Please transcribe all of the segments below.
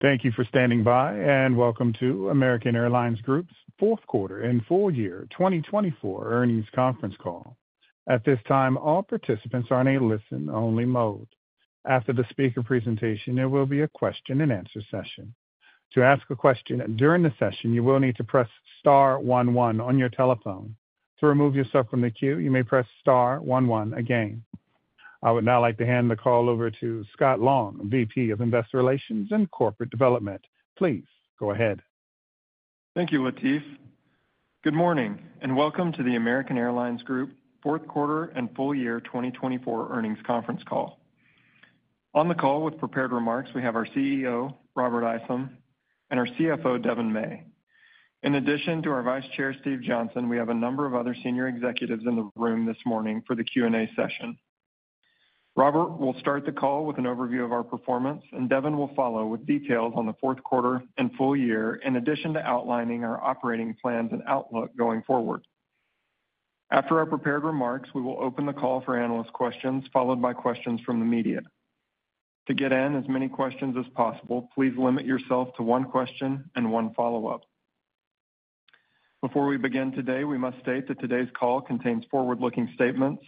Thank you for standing by, and welcome to American Airlines Group's fourth quarter and full year 2024 earnings conference call. At this time, all participants are in a listen-only mode. After the speaker presentation, there will be a question-and-answer session. To ask a question during the session, you will need to press Star 1 1 on your telephone. To remove yourself from the queue, you may press Star 1 1 again. I would now like to hand the call over to Scott Long, VP of Investor Relations and Corporate Development. Please go ahead. Thank you, Latif. Good morning, and welcome to the American Airlines Group fourth quarter and full year 2024 earnings conference call. On the call with prepared remarks, we have our CEO, Robert Isom, and our CFO, Devon May. In addition to our Vice Chair, Steve Johnson, we have a number of other senior executives in the room this morning for the Q&A session. Robert will start the call with an overview of our performance, and Devon will follow with details on the fourth quarter and full year, in addition to outlining our operating plans and outlook going forward. After our prepared remarks, we will open the call for analyst questions, followed by questions from the media. To get in as many questions as possible, please limit yourself to one question and one follow-up. Before we begin today, we must state that today's call contains forward-looking statements,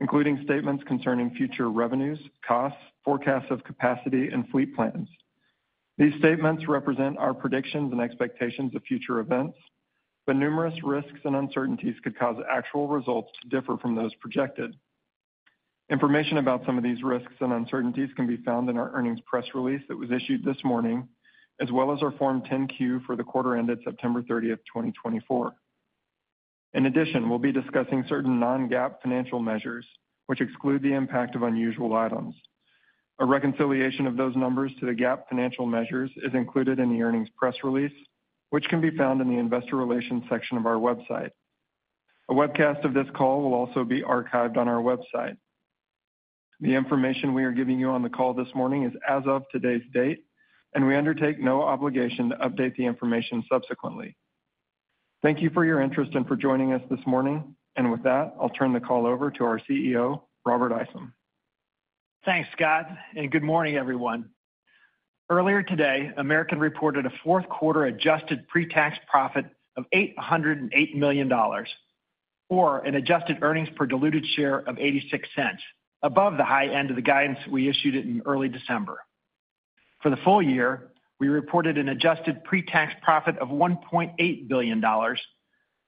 including statements concerning future revenues, costs, forecasts of capacity, and fleet plans. These statements represent our predictions and expectations of future events, but numerous risks and uncertainties could cause actual results to differ from those projected. Information about some of these risks and uncertainties can be found in our earnings press release that was issued this morning, as well as our Form 10-Q for the quarter ended September 30, 2024. In addition, we'll be discussing certain non-GAAP financial measures, which exclude the impact of unusual items. A reconciliation of those numbers to the GAAP financial measures is included in the earnings press release, which can be found in the Investor Relations section of our website. A webcast of this call will also be archived on our website. The information we are giving you on the call this morning is as of today's date, and we undertake no obligation to update the information subsequently. Thank you for your interest and for joining us this morning, and with that, I'll turn the call over to our CEO, Robert Isom. Thanks, Scott, and good morning, everyone. Earlier today, American reported a fourth quarter adjusted pre-tax profit of $808 million, or an adjusted earnings per diluted share of $0.86, above the high end of the guidance we issued in early December. For the full year, we reported an adjusted pre-tax profit of $1.8 billion,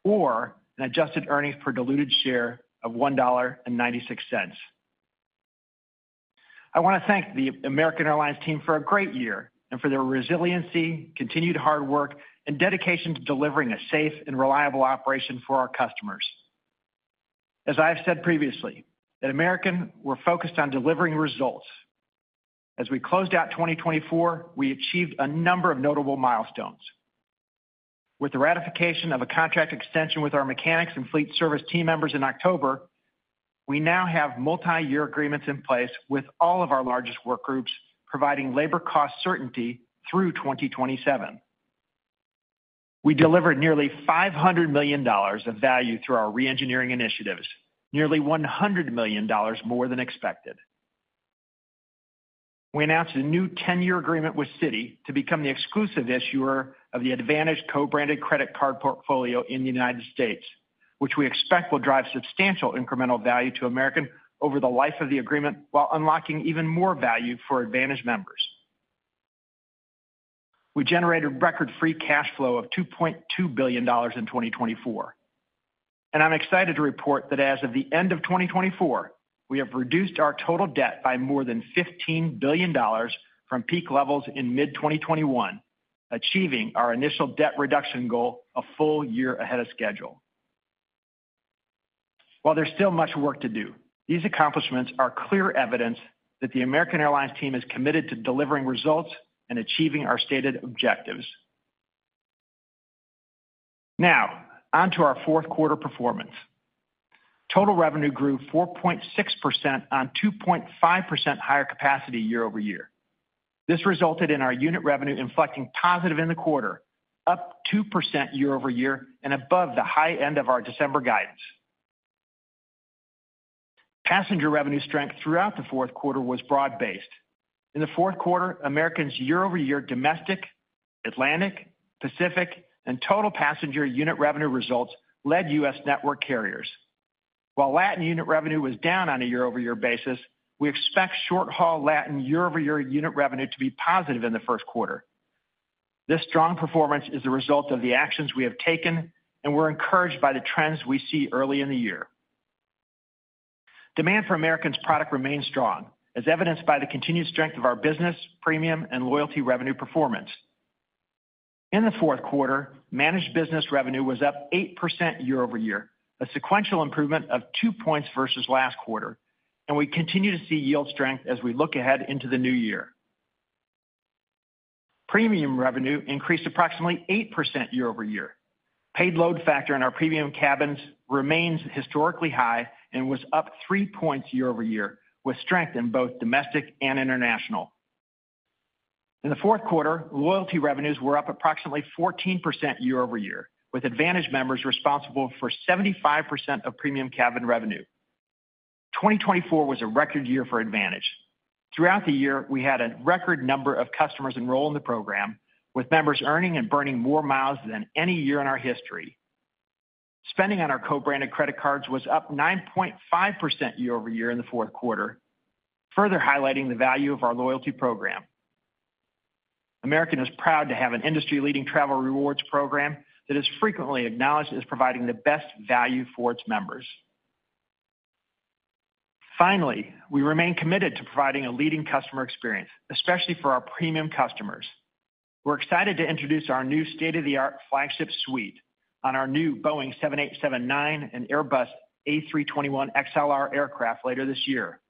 or an adjusted earnings per diluted share of $1.96. I want to thank the American Airlines team for a great year and for their resiliency, continued hard work, and dedication to delivering a safe and reliable operation for our customers. As I've said previously, at American, we're focused on delivering results. As we closed out 2024, we achieved a number of notable milestones. With the ratification of a contract extension with our mechanics and fleet service team members in October, we now have multi-year agreements in place with all of our largest work groups, providing labor cost certainty through 2027. We delivered nearly $500 million of value through our re-engineering initiatives, nearly $100 million more than expected. We announced a new 10-year agreement with Citi to become the exclusive issuer of the AAdvantage co-branded credit card portfolio in the United States, which we expect will drive substantial incremental value to American over the life of the agreement while unlocking even more value for AAdvantage members. We generated record free cash flow of $2.2 billion in 2024. I'm excited to report that as of the end of 2024, we have reduced our total debt by more than $15 billion from peak levels in mid-2021, achieving our initial debt reduction goal a full year ahead of schedule. While there's still much work to do, these accomplishments are clear evidence that the American Airlines team is committed to delivering results and achieving our stated objectives. Now, on to our fourth quarter performance. Total revenue grew 4.6% on 2.5% higher capacity year over year. This resulted in our unit revenue inflecting positive in the quarter, up 2% year over year and above the high end of our December guidance. Passenger revenue strength throughout the fourth quarter was broad-based. In the fourth quarter, American's year-over-year domestic, Atlantic, Pacific, and total passenger unit revenue results led U.S. network carriers. While Latin unit revenue was down on a year-over-year basis, we expect short-haul Latin year-over-year unit revenue to be positive in the first quarter. This strong performance is the result of the actions we have taken, and we're encouraged by the trends we see early in the year. Demand for American's product remains strong, as evidenced by the continued strength of our business, premium, and loyalty revenue performance. In the fourth quarter, managed business revenue was up 8% year over year, a sequential improvement of 2 points versus last quarter, and we continue to see yield strength as we look ahead into the new year. Premium revenue increased approximately 8% year over year. Paid load factor in our premium cabins remains historically high and was up 3 points year over year, with strength in both domestic and international. In the fourth quarter, loyalty revenues were up approximately 14% year over year, with AAdvantage members responsible for 75% of premium cabin revenue. 2024 was a record year for AAdvantage. Throughout the year, we had a record number of customers enroll in the program, with members earning and burning more miles than any year in our history. Spending on our co-branded credit cards was up 9.5% year over year in the fourth quarter, further highlighting the value of our loyalty program. American is proud to have an industry-leading travel rewards program that is frequently acknowledged as providing the best value for its members. Finally, we remain committed to providing a leading customer experience, especially for our premium customers. We're excited to introduce our new state-of-the-art Flagship Suite on our new Boeing 787-9 and Airbus A321XLR aircraft later this year.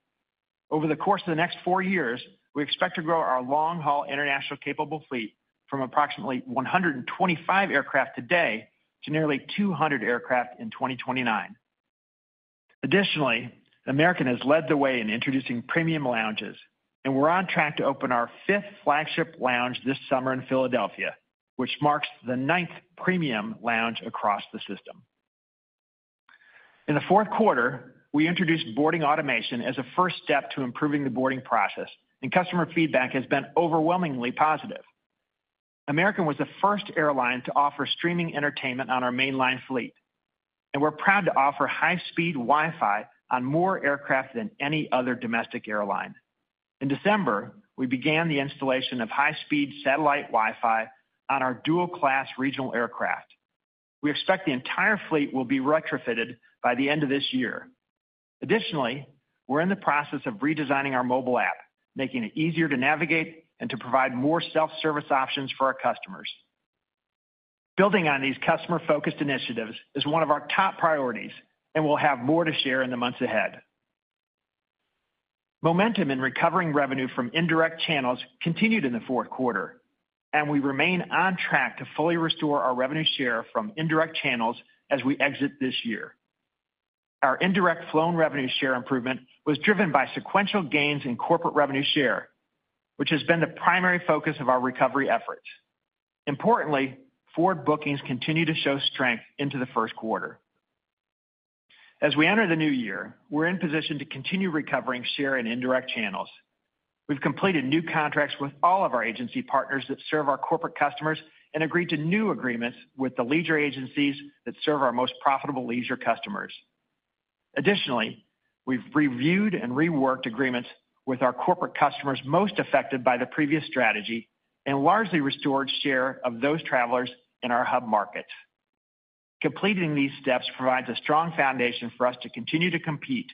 Over the course of the next four years, we expect to grow our long-haul international capable fleet from approximately 125 aircraft today to nearly 200 aircraft in 2029. Additionally, American has led the way in introducing premium lounges, and we're on track to open our fifth Flagship Lounge this summer in Philadelphia, which marks the ninth premium lounge across the system. In the fourth quarter, we introduced boarding automation as a first step to improving the boarding process, and customer feedback has been overwhelmingly positive. American was the first airline to offer streaming entertainment on our mainline fleet, and we're proud to offer high-speed Wi-Fi on more aircraft than any other domestic airline. In December, we began the installation of high-speed satellite Wi-Fi on our dual-class regional aircraft. We expect the entire fleet will be retrofitted by the end of this year. Additionally, we're in the process of redesigning our mobile app, making it easier to navigate and to provide more self-service options for our customers. Building on these customer-focused initiatives is one of our top priorities, and we'll have more to share in the months ahead. Momentum in recovering revenue from indirect channels continued in the fourth quarter, and we remain on track to fully restore our revenue share from indirect channels as we exit this year. Our indirect flown revenue share improvement was driven by sequential gains in corporate revenue share, which has been the primary focus of our recovery efforts. Importantly, forward bookings continue to show strength into the first quarter. As we enter the new year, we're in position to continue recovering share in indirect channels. We've completed new contracts with all of our agency partners that serve our corporate customers and agreed to new agreements with the leisure agencies that serve our most profitable leisure customers. Additionally, we've reviewed and reworked agreements with our corporate customers most affected by the previous strategy and largely restored share of those travelers in our hub market. Completing these steps provides a strong foundation for us to continue to compete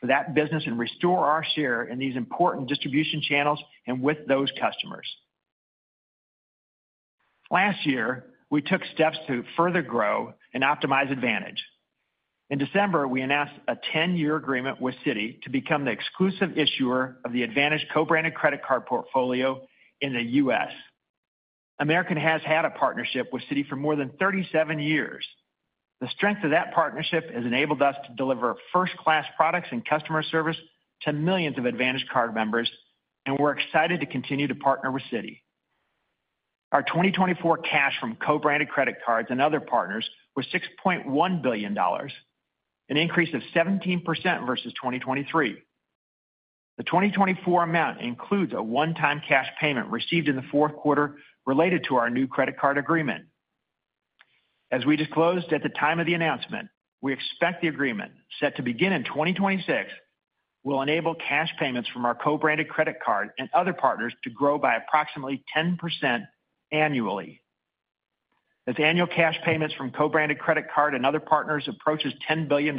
for that business and restore our share in these important distribution channels and with those customers. Last year, we took steps to further grow and optimize AAdvantage. In December, we announced a 10-year agreement with Citi to become the exclusive issuer of the AAdvantage co-branded credit card portfolio in the U.S. American has had a partnership with Citi for more than 37 years. The strength of that partnership has enabled us to deliver first-class products and customer service to millions of AAdvantage card members, and we're excited to continue to partner with Citi. Our 2024 cash from co-branded credit cards and other partners was $6.1 billion, an increase of 17% versus 2023. The 2024 amount includes a one-time cash payment received in the fourth quarter related to our new credit card agreement. As we disclosed at the time of the announcement, we expect the agreement, set to begin in 2026, will enable cash payments from our co-branded credit card and other partners to grow by approximately 10% annually. As annual cash payments from co-branded credit card and other partners approach $10 billion,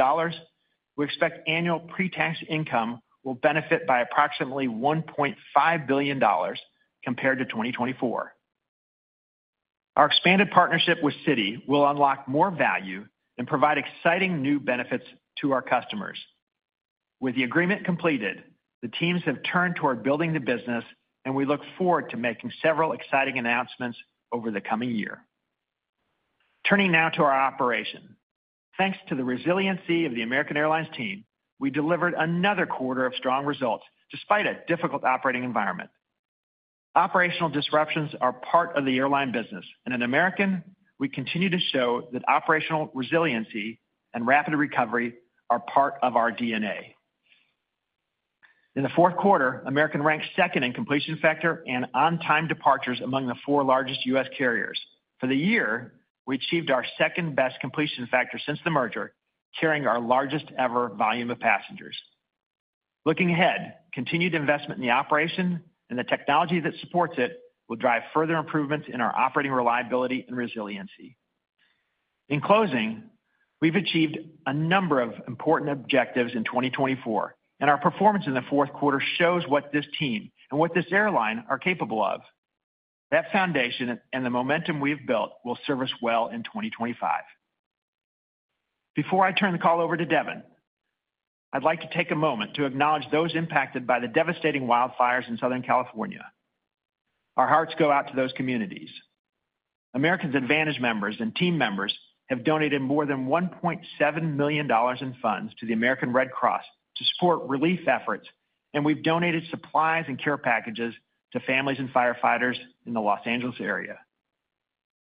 we expect annual pre-tax income will benefit by approximately $1.5 billion compared to 2024. Our expanded partnership with Citi will unlock more value and provide exciting new benefits to our customers. With the agreement completed, the teams have turned toward building the business, and we look forward to making several exciting announcements over the coming year. Turning now to our operation. Thanks to the resiliency of the American Airlines team, we delivered another quarter of strong results despite a difficult operating environment. Operational disruptions are part of the airline business, and at American, we continue to show that operational resiliency and rapid recovery are part of our DNA. In the fourth quarter, American ranked second in completion factor and on-time departures among the four largest U.S. carriers. For the year, we achieved our second-best completion factor since the merger, carrying our largest ever volume of passengers. Looking ahead, continued investment in the operation and the technology that supports it will drive further improvements in our operating reliability and resiliency. In closing, we've achieved a number of important objectives in 2024, and our performance in the fourth quarter shows what this team and what this airline are capable of. That foundation and the momentum we've built will serve us well in 2025. Before I turn the call over to Devon, I'd like to take a moment to acknowledge those impacted by the devastating wildfires in Southern California. Our hearts go out to those communities. American's AAdvantage members and team members have donated more than $1.7 million in funds to the American Red Cross to support relief efforts, and we've donated supplies and care packages to families and firefighters in the Los Angeles area.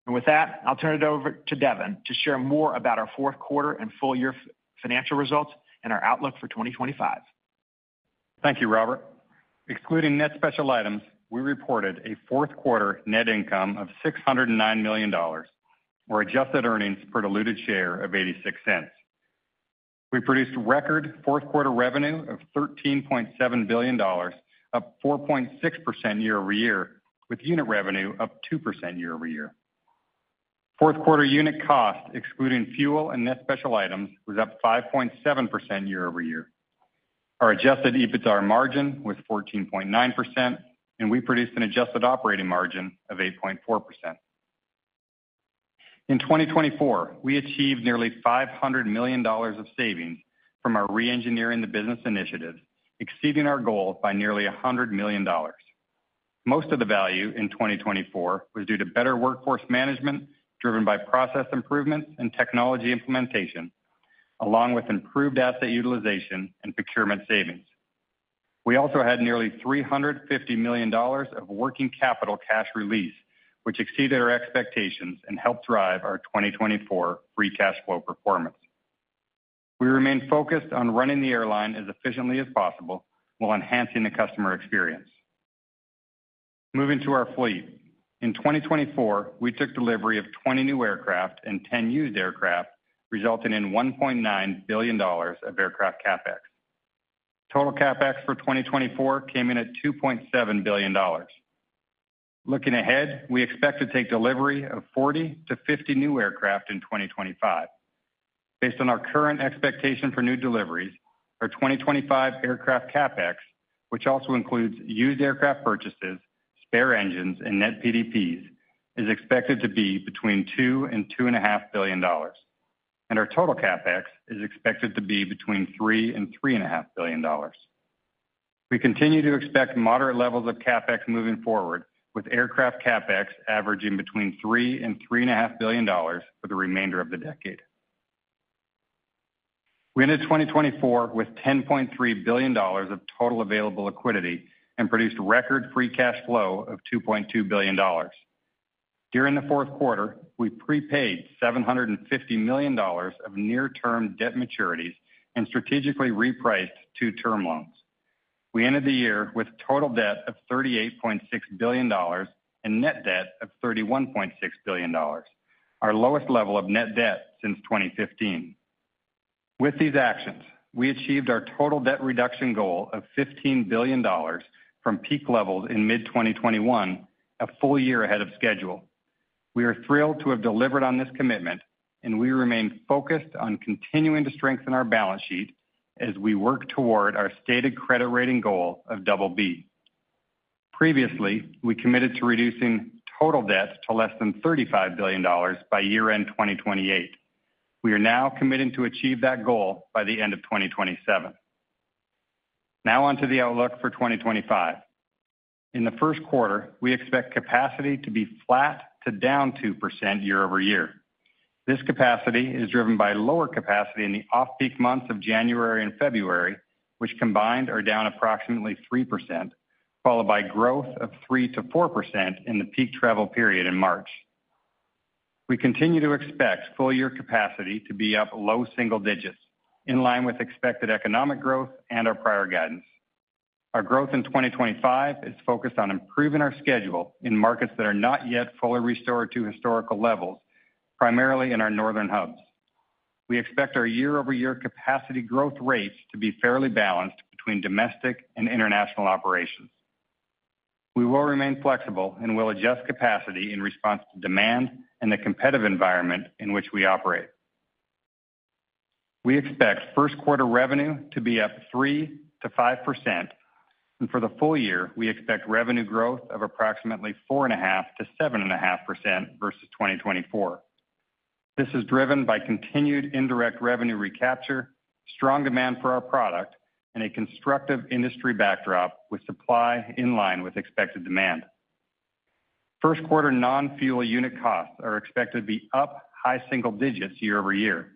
With that, I'll turn it over to Devon to share more about our fourth quarter and full-year financial results and our outlook for 2025. Thank you, Robert. Excluding net special items, we reported a fourth quarter net income of $609 million, or adjusted earnings per diluted share of $0.86. We produced record fourth quarter revenue of $13.7 billion, up 4.6% year over year, with unit revenue up 2% year over year. Fourth quarter unit cost, excluding fuel and net special items, was up 5.7% year over year. Our adjusted EBITDA margin was 14.9%, and we produced an adjusted operating margin of 8.4%. In 2024, we achieved nearly $500 million of savings from our Re-engineering the Business initiative, exceeding our goal by nearly $100 million. Most of the value in 2024 was due to better workforce management driven by process improvements and technology implementation, along with improved asset utilization and procurement savings. We also had nearly $350 million of working capital cash release, which exceeded our expectations and helped drive our 2024 free cash flow performance. We remained focused on running the airline as efficiently as possible while enhancing the customer experience. Moving to our fleet. In 2024, we took delivery of 20 new aircraft and 10 used aircraft, resulting in $1.9 billion of aircraft CapEx. Total CapEx for 2024 came in at $2.7 billion. Looking ahead, we expect to take delivery of 40-50 new aircraft in 2025. Based on our current expectation for new deliveries, our 2025 aircraft CapEx, which also includes used aircraft purchases, spare engines, and net PDPs, is expected to be between $2 billion and $2.5 billion, and our total CapEx is expected to be between $3 billion and $3.5 billion. We continue to expect moderate levels of CapEx moving forward, with aircraft CapEx averaging between $3 billion and $3.5 billion for the remainder of the decade. We ended 2024 with $10.3 billion of total available liquidity and produced record free cash flow of $2.2 billion. During the fourth quarter, we prepaid $750 million of near-term debt maturities and strategically repriced two-term loans. We ended the year with total debt of $38.6 billion and net debt of $31.6 billion, our lowest level of net debt since 2015. With these actions, we achieved our total debt reduction goal of $15 billion from peak levels in mid-2021, a full year ahead of schedule. We are thrilled to have delivered on this commitment, and we remain focused on continuing to strengthen our balance sheet as we work toward our stated credit rating goal of BB. Previously, we committed to reducing total debt to less than $35 billion by year-end 2028. We are now committing to achieve that goal by the end of 2027. Now on to the outlook for 2025. In the first quarter, we expect capacity to be flat to down 2% year over year. This capacity is driven by lower capacity in the off-peak months of January and February, which combined are down approximately 3%, followed by growth of 3%-4% in the peak travel period in March. We continue to expect full-year capacity to be up low single digits, in line with expected economic growth and our prior guidance. Our growth in 2025 is focused on improving our schedule in markets that are not yet fully restored to historical levels, primarily in our northern hubs. We expect our year-over-year capacity growth rates to be fairly balanced between domestic and international operations. We will remain flexible and will adjust capacity in response to demand and the competitive environment in which we operate. We expect first-quarter revenue to be up 3%-5%, and for the full year, we expect revenue growth of approximately 4.5%-7.5% versus 2024. This is driven by continued indirect revenue recapture, strong demand for our product, and a constructive industry backdrop with supply in line with expected demand. First-quarter non-fuel unit costs are expected to be up high single digits year over year.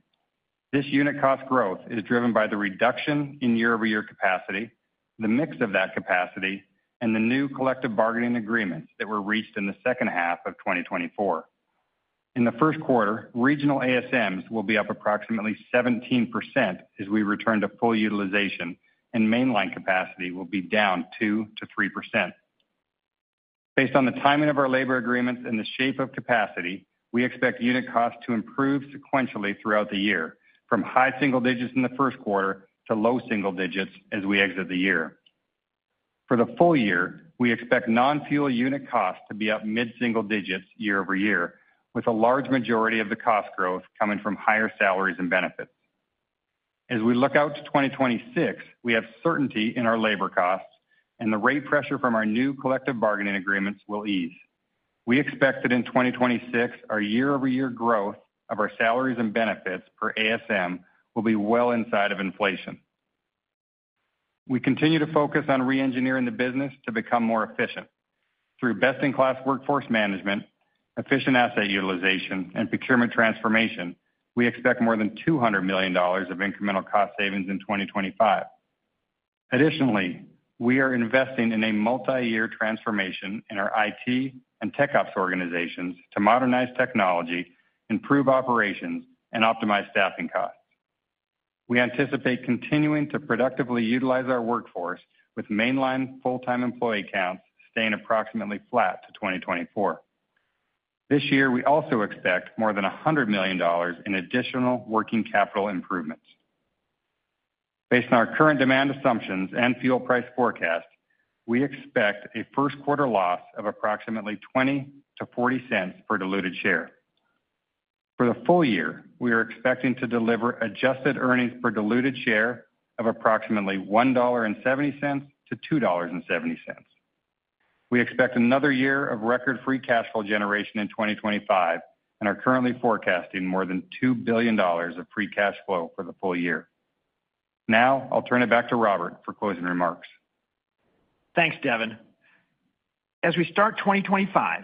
This unit cost growth is driven by the reduction in year-over-year capacity, the mix of that capacity, and the new collective bargaining agreements that were reached in the second half of 2024. In the first quarter, regional ASMs will be up approximately 17% as we return to full utilization, and mainline capacity will be down 2%-3%. Based on the timing of our labor agreements and the shape of capacity, we expect unit costs to improve sequentially throughout the year, from high single digits in the first quarter to low single digits as we exit the year. For the full year, we expect non-fuel unit costs to be up mid-single digits year over year, with a large majority of the cost growth coming from higher salaries and benefits. As we look out to 2026, we have certainty in our labor costs, and the rate pressure from our new collective bargaining agreements will ease. We expect that in 2026, our year-over-year growth of our salaries and benefits per ASM will be well inside of inflation. We continue to focus on re-engineering the business to become more efficient. Through best-in-class workforce management, efficient asset utilization, and procurement transformation, we expect more than $200 million of incremental cost savings in 2025. Additionally, we are investing in a multi-year transformation in our IT and tech ops organizations to modernize technology, improve operations, and optimize staffing costs. We anticipate continuing to productively utilize our workforce, with mainline full-time employee counts staying approximately flat to 2024. This year, we also expect more than $100 million in additional working capital improvements. Based on our current demand assumptions and fuel price forecast, we expect a first-quarter loss of approximately $0.20-$0.40 per diluted share. For the full year, we are expecting to deliver adjusted earnings per diluted share of approximately $1.70-$2.70. We expect another year of record free cash flow generation in 2025 and are currently forecasting more than $2 billion of free cash flow for the full year. Now, I'll turn it back to Robert for closing remarks. Thanks, Devon. As we start 2025,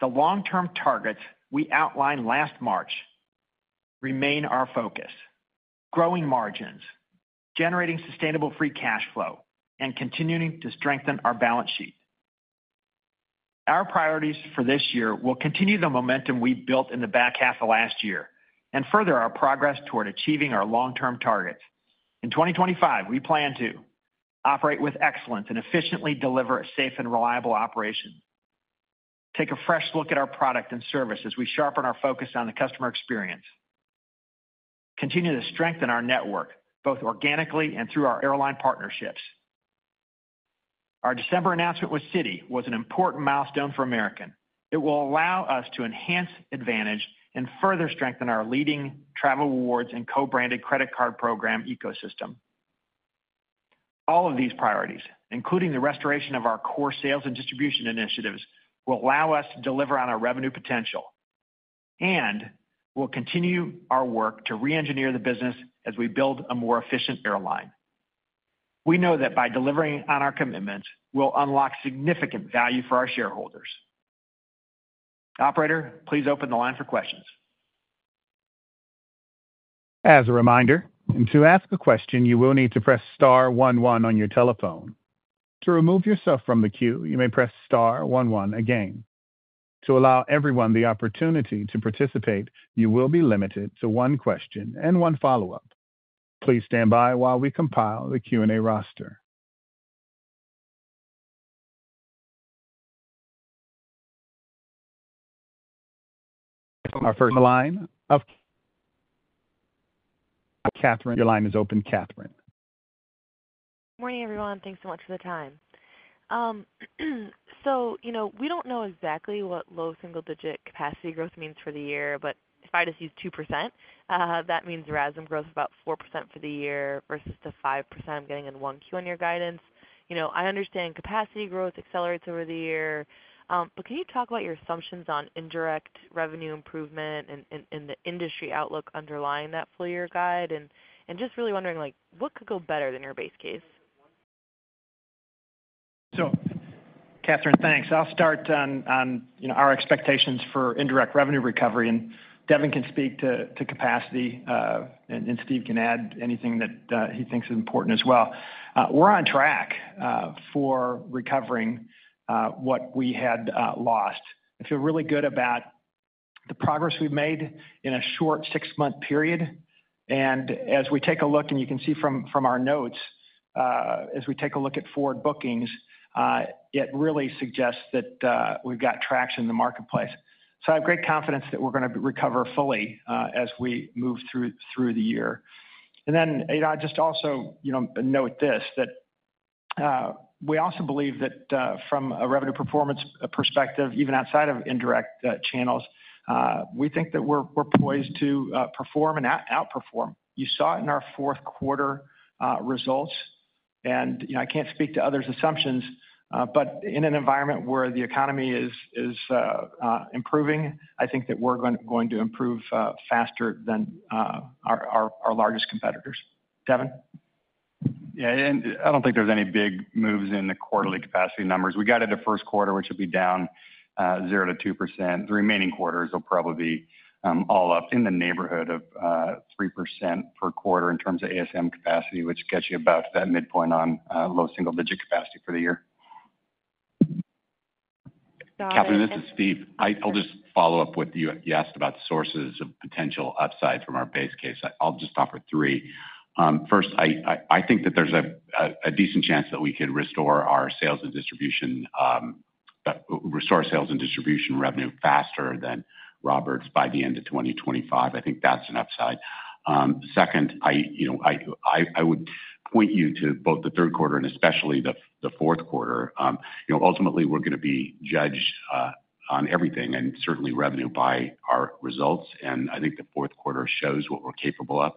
the long-term targets we outlined last March remain our focus: growing margins, generating sustainable free cash flow, and continuing to strengthen our balance sheet. Our priorities for this year will continue the momentum we built in the back half of last year and further our progress toward achieving our long-term targets. In 2025, we plan to operate with excellence and efficiently deliver a safe and reliable operation, take a fresh look at our product and service as we sharpen our focus on the customer experience, continue to strengthen our network both organically and through our airline partnerships. Our December announcement with Citi was an important milestone for American. It will allow us to enhance Advantage and further strengthen our leading travel rewards and co-branded credit card program ecosystem. All of these priorities, including the restoration of our core sales and distribution initiatives, will allow us to deliver on our revenue potential and will continue our work to Re-engineer the Business as we build a more efficient airline. We know that by delivering on our commitments, we'll unlock significant value for our shareholders. Operator, please open the line for questions. As a reminder, to ask a question, you will need to press Star 1 1 on your telephone. To remove yourself from the queue, you may press Star 1 1 again. To allow everyone the opportunity to participate, you will be limited to one question and one follow-up. Please stand by while we compile the Q&A roster. Our first caller, Catherine, your line is open, Catherine. Good morning, everyone. Thanks so much for the time. So, you know, we don't know exactly what low single-digit capacity growth means for the year, but if I just use 2%, that means RASM growth about 4% for the year versus the 5% I'm getting in 1Q on your guidance. You know, I understand capacity growth accelerates over the year, but can you talk about your assumptions on indirect revenue improvement and the industry outlook underlying that full-year guide? And just really wondering, like, what could go better than your base case? So, Catherine, thanks. I'll start on our expectations for indirect revenue recovery, and Devon can speak to capacity, and Steve can add anything that he thinks is important as well. We're on track for recovering what we had lost. I feel really good about the progress we've made in a short six-month period. And as we take a look, and you can see from our notes, as we take a look at forward bookings, it really suggests that we've got traction in the marketplace. So I have great confidence that we're going to recover fully as we move through the year. And then, you know, I just also, you know, note this: that we also believe that from a revenue performance perspective, even outside of indirect channels, we think that we're poised to perform and outperform. You saw it in our fourth quarter results. And, you know, I can't speak to others' assumptions, but in an environment where the economy is improving, I think that we're going to improve faster than our largest competitors. Devon? Yeah, and I don't think there's any big moves in the quarterly capacity numbers. We got it at first quarter, which will be down 0-2%. The remaining quarters will probably be all up in the neighborhood of 3% per quarter in terms of ASM capacity, which gets you about to that midpoint on low single-digit capacity for the year. Catherine, this is Stephen. I'll just follow up with you. You asked about sources of potential upside from our base case. I'll just offer three. First, I think that there's a decent chance that we could restore our sales and distribution revenue faster than Robert's by the end of 2025. I think that's an upside. Second, I would point you to both the third quarter and especially the fourth quarter. You know, ultimately, we're going to be judged on everything and certainly revenue by our results. And I think the fourth quarter shows what we're capable of.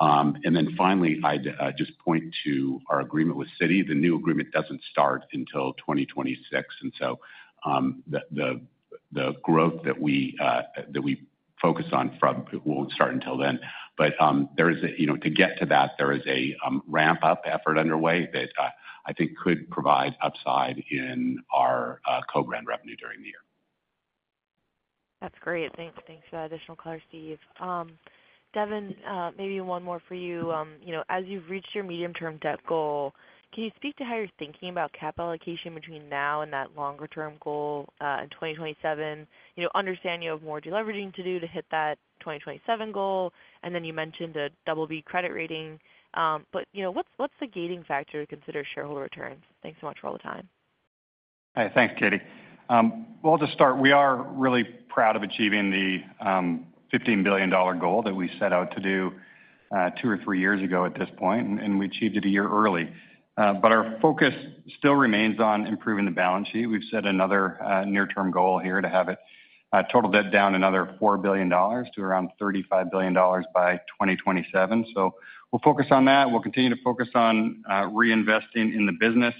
And then finally, I'd just point to our agreement with Citi. The new agreement doesn't start until 2026. And so the growth that we focus on will start until then. But there is, you know, to get to that, there is a ramp-up effort underway that I think could provide upside in our co-brand revenue during the year. That's great. Thanks for that additional clarification, Steve. Devon, maybe one more for you. You know, as you've reached your medium-term debt goal, can you speak to how you're thinking about cap allocation between now and that longer-term goal in 2027? You know, understand you have more deleveraging to do to hit that 2027 goal. And then you mentioned a BB credit rating. But, you know, what's the gating factor to consider shareholder returns? Thanks so much for all the time. Hi, thanks, Katie. To start, we are really proud of achieving the $15 billion goal that we set out to do two or three years ago at this point, and we achieved it a year early. Our focus still remains on improving the balance sheet. We've set another near-term goal here to have it total debt down another $4 billion to around $35 billion by 2027. We'll focus on that. We'll continue to focus on reinvesting in the business.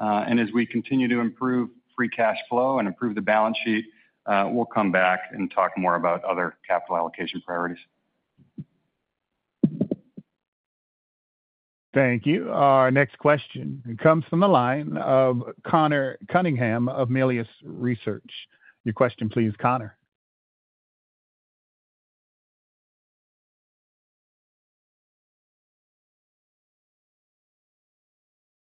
As we continue to improve free cash flow and improve the balance sheet, we'll come back and talk more about other capital allocation priorities. Thank you. Our next question comes from the line of Connor Cunningham of Melius Research. Your question, please, Connor.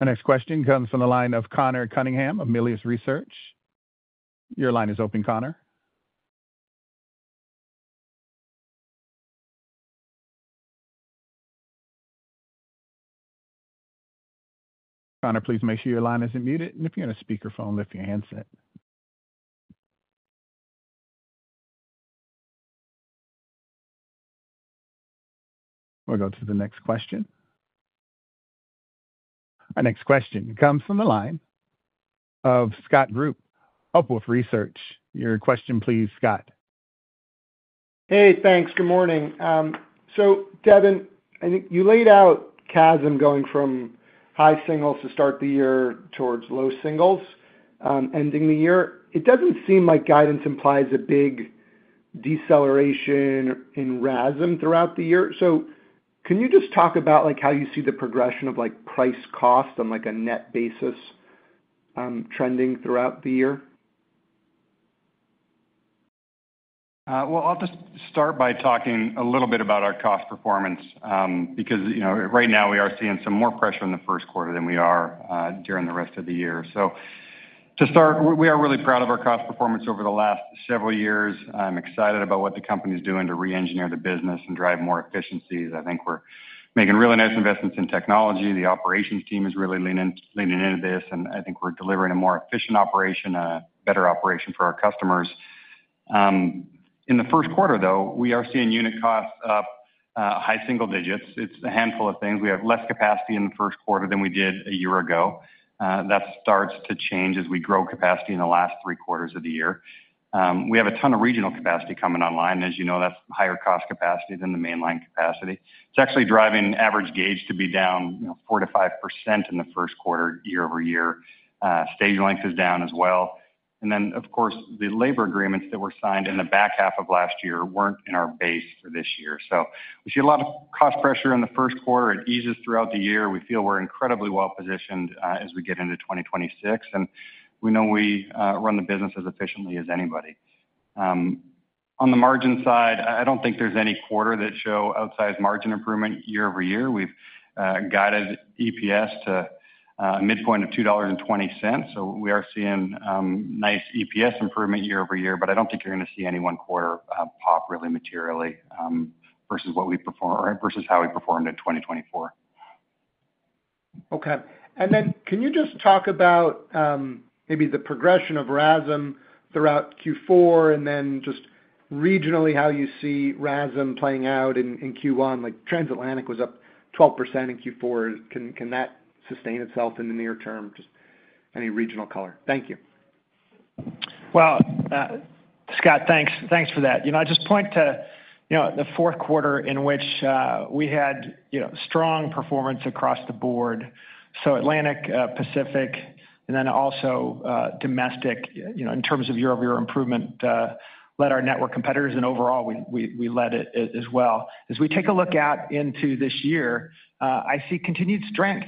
Our next question comes from the line of Connor Cunningham of Melius Research. Your line is open, Connor. Connor, please make sure your line isn't muted. And if you're on a speakerphone, lift your hands up. We'll go to the next question. Our next question comes from the line of Scott Group, Wolfe Research. Your question, please, Scott. Hey, thanks. Good morning. So, Devon, I think you laid out CASM going from high singles to start the year towards low singles ending the year. It doesn't seem like guidance implies a big deceleration in RASM throughout the year. So can you just talk about, like, how you see the progression of, like, price cost on, like, a net basis trending throughout the year? I'll just start by talking a little bit about our cost performance because, you know, right now we are seeing some more pressure in the first quarter than we are during the rest of the year. To start, we are really proud of our cost performance over the last several years. I'm excited about what the company's doing to re-engineer the business and drive more efficiencies. I think we're making really nice investments in technology. The operations team is really leaning into this, and I think we're delivering a more efficient operation and a better operation for our customers. In the first quarter, though, we are seeing unit costs up high single digits. It's a handful of things. We have less capacity in the first quarter than we did a year ago. That starts to change as we grow capacity in the last three quarters of the year. We have a ton of regional capacity coming online. As you know, that's higher cost capacity than the mainline capacity. It's actually driving average gauge to be down, you know, 4%-5% in the first quarter year over year. Stage length is down as well. And then, of course, the labor agreements that were signed in the back half of last year weren't in our base for this year. So we see a lot of cost pressure in the first quarter. It eases throughout the year. We feel we're incredibly well positioned as we get into 2026. And we know we run the business as efficiently as anybody. On the margin side, I don't think there's any quarter that shows outsized margin improvement year over year. We've guided EPS to a midpoint of $2.20. So, we are seeing nice EPS improvement year over year, but I don't think you're going to see any one quarter pop really materially versus what we performed versus how we performed in 2024. Okay. And then can you just talk about maybe the progression of RASM throughout Q4 and then just regionally how you see RASM playing out in Q1? Like, Transatlantic was up 12% in Q4. Can that sustain itself in the near term? Just any regional color. Thank you. Well, Scott, thanks for that. You know, I just point to, you know, the fourth quarter in which we had, you know, strong performance across the board. So Atlantic, Pacific, and then also domestic, you know, in terms of year over year improvement, led our network competitors. And overall, we led it as well. As we take a look out into this year, I see continued strength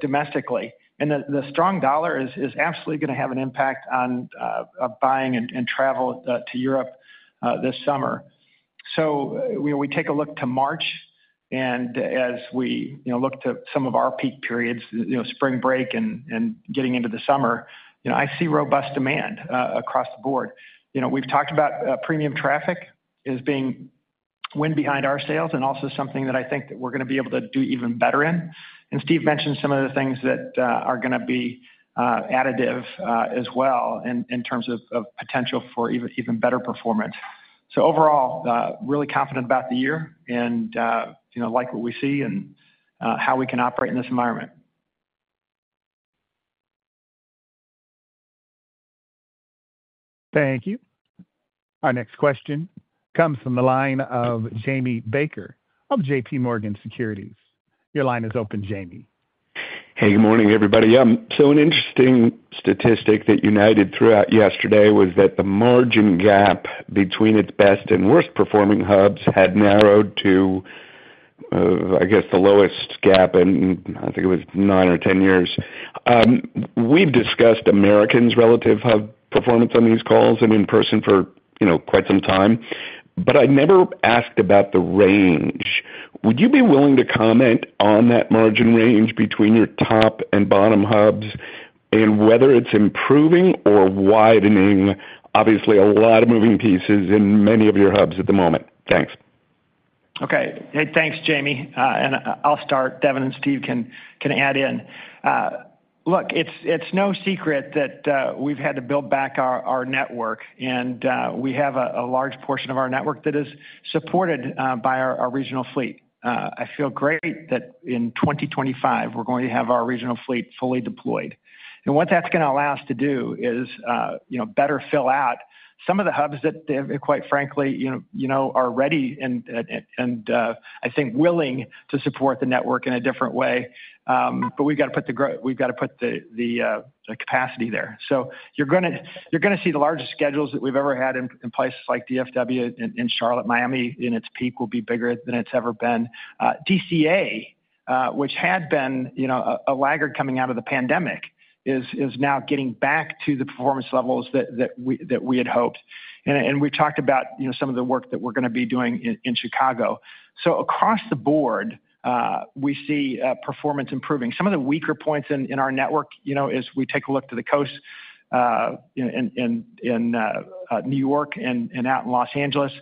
domestically. And the strong dollar is absolutely going to have an impact on buying and travel to Europe this summer. So we take a look to March, and as we look to some of our peak periods, you know, spring break and getting into the summer, you know, I see robust demand across the board. You know, we've talked about premium traffic as being wind behind our sales and also something that I think that we're going to be able to do even better in. And Steve mentioned some of the things that are going to be additive as well in terms of potential for even better performance. So overall, really confident about the year and, you know, like what we see and how we can operate in this environment. Thank you. Our next question comes from the line of Jamie Baker of JPMorgan Securities. Your line is open, James. Hey, good morning, everybody. So an interesting statistic that I noted throughout yesterday was that the margin gap between its best and worst performing hubs had narrowed to, I guess, the lowest gap in, I think it was nine or 10 years. We've discussed Americans' relative hub performance on these calls and in person for, you know, quite some time. But I never asked about the range. Would you be willing to comment on that margin range between your top and bottom hubs and whether it's improving or widening? Obviously, a lot of moving pieces in many of your hubs at the moment. Thanks. Okay. Hey, thanks, Jamie. And I'll start. Devon and Stephen can add in. Look, it's no secret that we've had to build back our network. And we have a large portion of our network that is supported by our regional fleet. I feel great that in 2025, we're going to have our regional fleet fully deployed. And what that's going to allow us to do is, you know, better fill out some of the hubs that, quite frankly, you know, are ready and I think willing to support the network in a different way. But we've got to put the capacity there. So you're going to see the largest schedules that we've ever had in places like DFW, in Charlotte, Miami. In its peak will be bigger than it's ever been. DCA, which had been, you know, a laggard coming out of the pandemic, is now getting back to the performance levels that we had hoped. And we've talked about, you know, some of the work that we're going to be doing in Chicago. So across the board, we see performance improving. Some of the weaker points in our network, you know, as we take a look to the coast in New York and out in Los Angeles.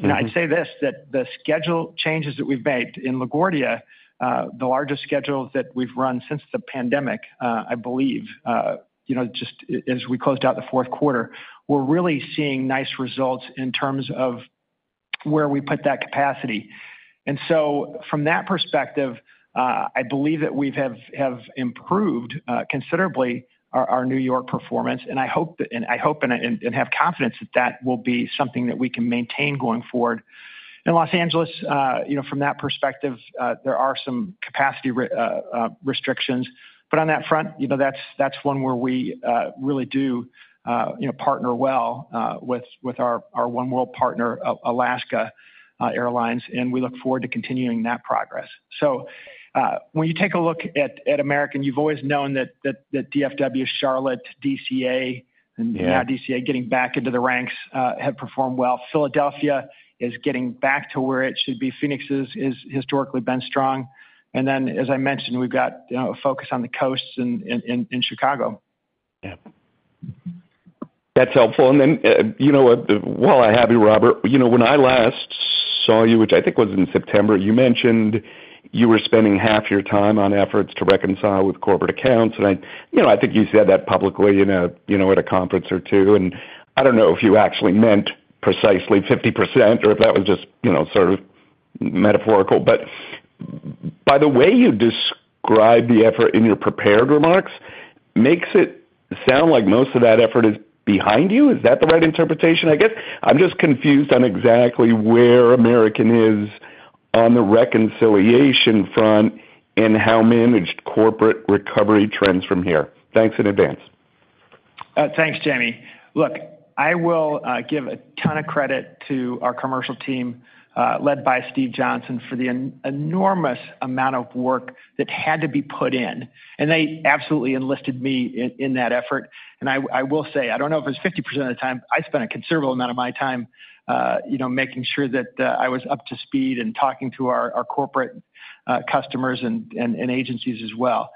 And I'd say this: that the schedule changes that we've made in LaGuardia, the largest schedule that we've run since the pandemic, I believe, you know, just as we closed out the fourth quarter, we're really seeing nice results in terms of where we put that capacity. And so from that perspective, I believe that we have improved considerably our New York performance. I hope and have confidence that that will be something that we can maintain going forward. In Los Angeles, you know, from that perspective, there are some capacity restrictions. But on that front, you know, that's one where we really do, you know, partner well with our oneworld partner, Alaska Airlines. And we look forward to continuing that progress. So when you take a look at American, you've always known that DFW, Charlotte, DCA, and now DCA getting back into the ranks have performed well. Philadelphia is getting back to where it should be. Phoenix has historically been strong. And then, as I mentioned, we've got a focus on the coasts in Chicago. Yeah. That's helpful. And then, you know, while I have you, Robert, you know, when I last saw you, which I think was in September, you mentioned you were spending half your time on efforts to reconcile with corporate accounts. And I, you know, I think you said that publicly in a, you know, at a conference or two. And I don't know if you actually meant precisely 50% or if that was just, you know, sort of metaphorical. But by the way you describe the effort in your prepared remarks, makes it sound like most of that effort is behind you. Is that the right interpretation? I guess I'm just confused on exactly where American is on the reconciliation front and how managed corporate recovery trends from here. Thanks in advance. Thanks, Jamie. Look, I will give a ton of credit to our commercial team led by Stephen Johnson for the enormous amount of work that had to be put in. And they absolutely enlisted me in that effort. And I will say, I don't know if it was 50% of the time, I spent a considerable amount of my time, you know, making sure that I was up to speed and talking to our corporate customers and agencies as well.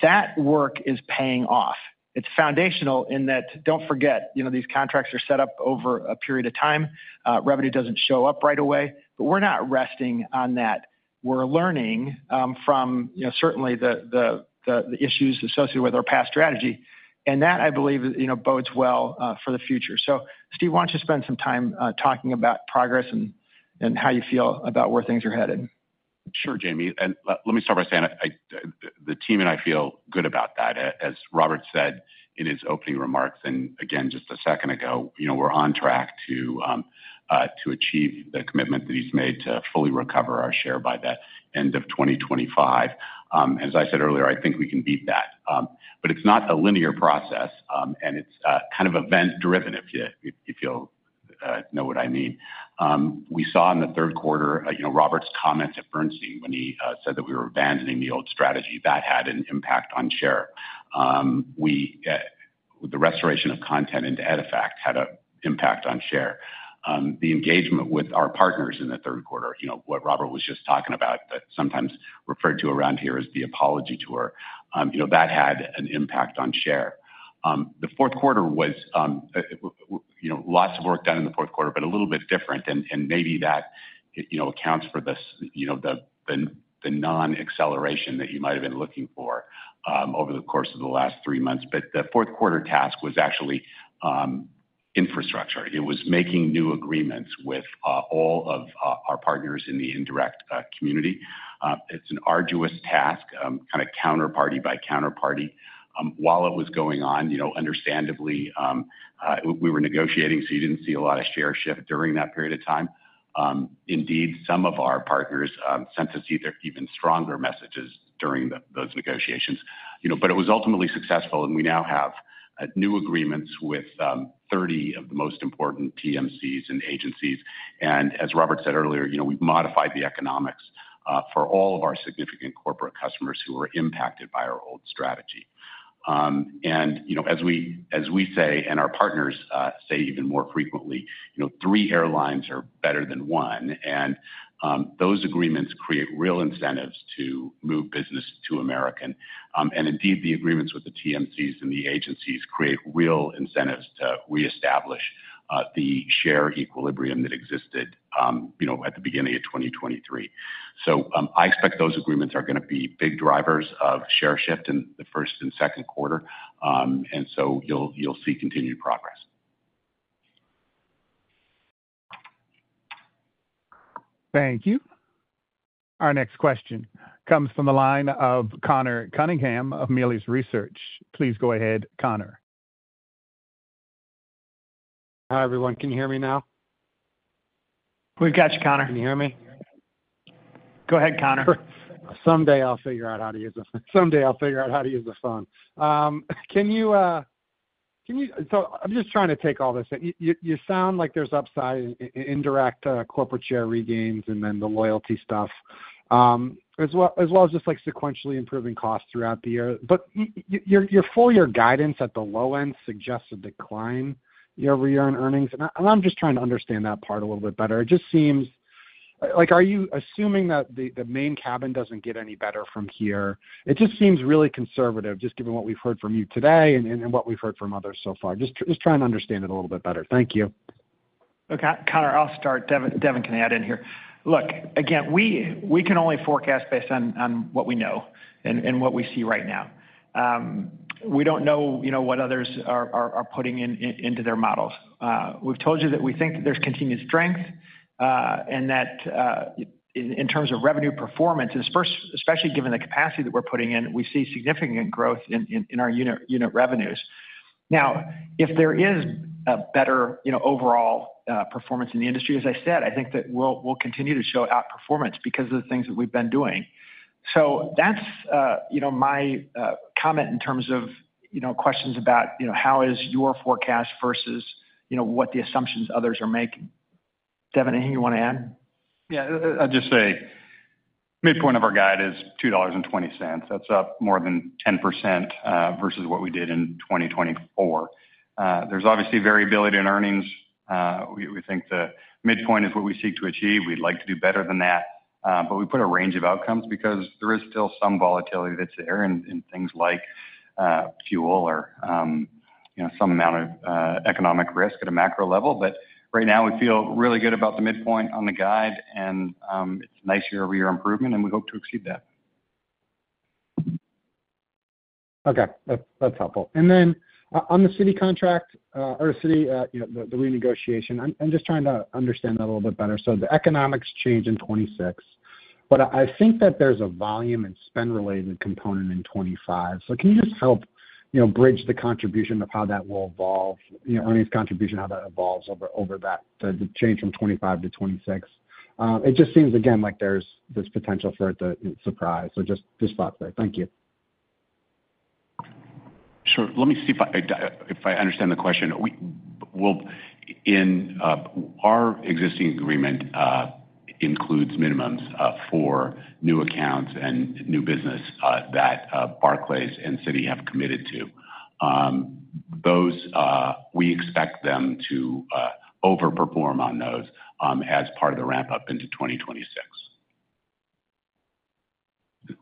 That work is paying off. It's foundational in that, don't forget, you know, these contracts are set up over a period of time. Revenue doesn't show up right away. But we're not resting on that. We're learning from, you know, certainly the issues associated with our past strategy. And that, I believe, you know, bodes well for the future. So Stephen, why don't you spend some time talking about progress and how you feel about where things are headed? Sure, James. And let me start by saying the team and I feel good about that, as Robert said in his opening remarks. And again, just a second ago, you know, we're on track to achieve the commitment that he's made to fully recover our share by the end of 2025. As I said earlier, I think we can beat that. But it's not a linear process. And it's kind of event-driven, if you know what I mean. We saw in the third quarter, you know, Robert's comments at Bernstein when he said that we were abandoning the old strategy, that had an impact on share. The restoration of content into EDIFACT had an impact on share. The engagement with our partners in the third quarter, you know, what Robert was just talking about, that sometimes referred to around here as the apology tour, you know, that had an impact on share. The fourth quarter was, you know, lots of work done in the fourth quarter, but a little bit different, and maybe that, you know, accounts for the, you know, the non-acceleration that you might have been looking for over the course of the last three months, but the fourth quarter task was actually infrastructure. It was making new agreements with all of our partners in the indirect community. It's an arduous task, kind of counterparty by counterparty. While it was going on, you know, understandably, we were negotiating, so you didn't see a lot of share shift during that period of time. Indeed, some of our partners sent us even stronger messages during those negotiations. You know, but it was ultimately successful. And we now have new agreements with 30 of the most important TMCs and agencies. And as Robert said earlier, you know, we've modified the economics for all of our significant corporate customers who were impacted by our old strategy. And, you know, as we say, and our partners say even more frequently, you know, three airlines are better than one. And those agreements create real incentives to move business to American. And indeed, the agreements with the TMCs and the agencies create real incentives to reestablish the share equilibrium that existed, you know, at the beginning of 2023. So I expect those agreements are going to be big drivers of share shift in the first and second quarter. And so you'll see continued progress. Thank you. Our next question comes from the line of Conor Cunningham of Melius Research. Please go ahead, Conor. Hi everyone. Can you hear me now? We've got you, Conor. Can you hear me? Go ahead, Connor. Someday I'll figure out how to use the phone. Can you, so I'm just trying to take all this. You sound like there's upside in indirect corporate share regains and then the loyalty stuff, as well as just like sequentially improving costs throughout the year. But your full year guidance at the low end suggests a decline year over year in earnings. And I'm just trying to understand that part a little bit better. It just seems like, are you assuming that the Main Cabin doesn't get any better from here? It just seems really conservative, just given what we've heard from you today and what we've heard from others so far. Just trying to understand it a little bit better. Thank you. Okay, Connor, I'll start. Devon, can I add in here. Look, again, we can only forecast based on what we know and what we see right now. We don't know, you know, what others are putting into their models. We've told you that we think that there's continued strength and that in terms of revenue performance, especially given the capacity that we're putting in, we see significant growth in our unit revenues. Now, if there is a better, you know, overall performance in the industry, as I said, I think that we'll continue to show outperformance because of the things that we've been doing. So that's, you know, my comment in terms of, you know, questions about, you know, how is your forecast versus, you know, what the assumptions others are making. Devon, anything you want to add? Yeah, I'll just say midpoint of our guide is $2.20. That's up more than 10% versus what we did in 2024. There's obviously variability in earnings. We think the midpoint is what we seek to achieve. We'd like to do better than that. But we put a range of outcomes because there is still some volatility that's there in things like fuel or, you know, some amount of economic risk at a macro level. But right now, we feel really good about the midpoint on the guide, and it's nice year over year improvement, and we hope to exceed that. Okay, that's helpful. And then on the Citi contract or Citi, you know, the renegotiation, I'm just trying to understand that a little bit better. So the economics change in 2026. But I think that there's a volume and spend related component in 2025. So can you just help, you know, bridge the contribution of how that will evolve, you know, earnings contribution, how that evolves over that, the change from 2025 to 2026? It just seems, again, like there's this potential for it to surprise. So just thoughts there. Thank you. Sure. Let me see if I understand the question. Our existing agreement includes minimums for new accounts and new business that Barclays and Citi have committed to. Those, we expect them to overperform on those as part of the ramp up into 2026.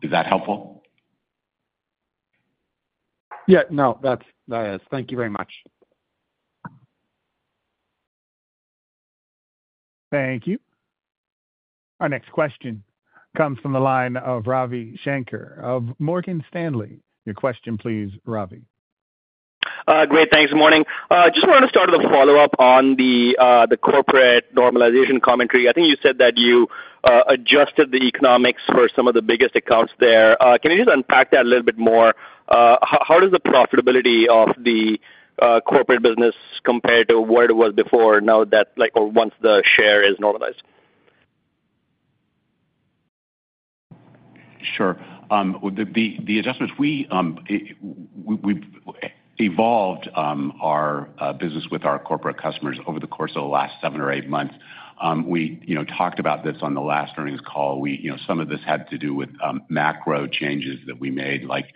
Is that helpful? Yeah, no, that's it. Thank you very much. Thank you. Our next question comes from the line of Ravi Shanker of Morgan Stanley. Your question, please, Ravi. Great. Thanks. Good morning. Just wanted to start with a follow-up on the corporate normalization commentary. I think you said that you adjusted the economics for some of the biggest accounts there. Can you just unpack that a little bit more? How does the profitability of the corporate business compare to what it was before now that, like, or once the share is normalized? Sure. The adjustments, we evolved our business with our corporate customers over the course of the last seven or eight months. We, you know, talked about this on the last earnings call. We, you know, some of this had to do with macro changes that we made, like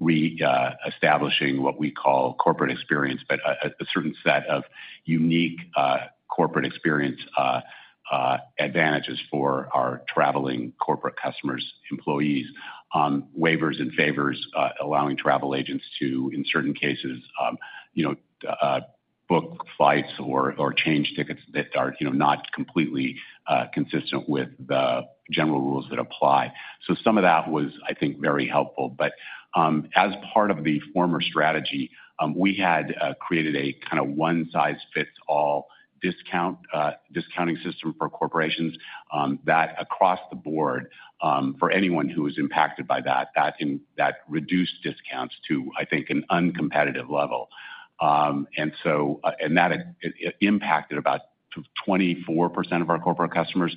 reestablishing what we call corporate experience, but a certain set of unique corporate experience advantages for our traveling corporate customers, employees, waivers and favors, allowing travel agents to, in certain cases, you know, book flights or change tickets that are, you know, not completely consistent with the general rules that apply. So some of that was, I think, very helpful. But as part of the former strategy, we had created a kind of one-size-fits-all discounting system for corporations that, across the board, for anyone who was impacted by that, that reduced discounts to, I think, an uncompetitive level. That impacted about 24% of our corporate customers.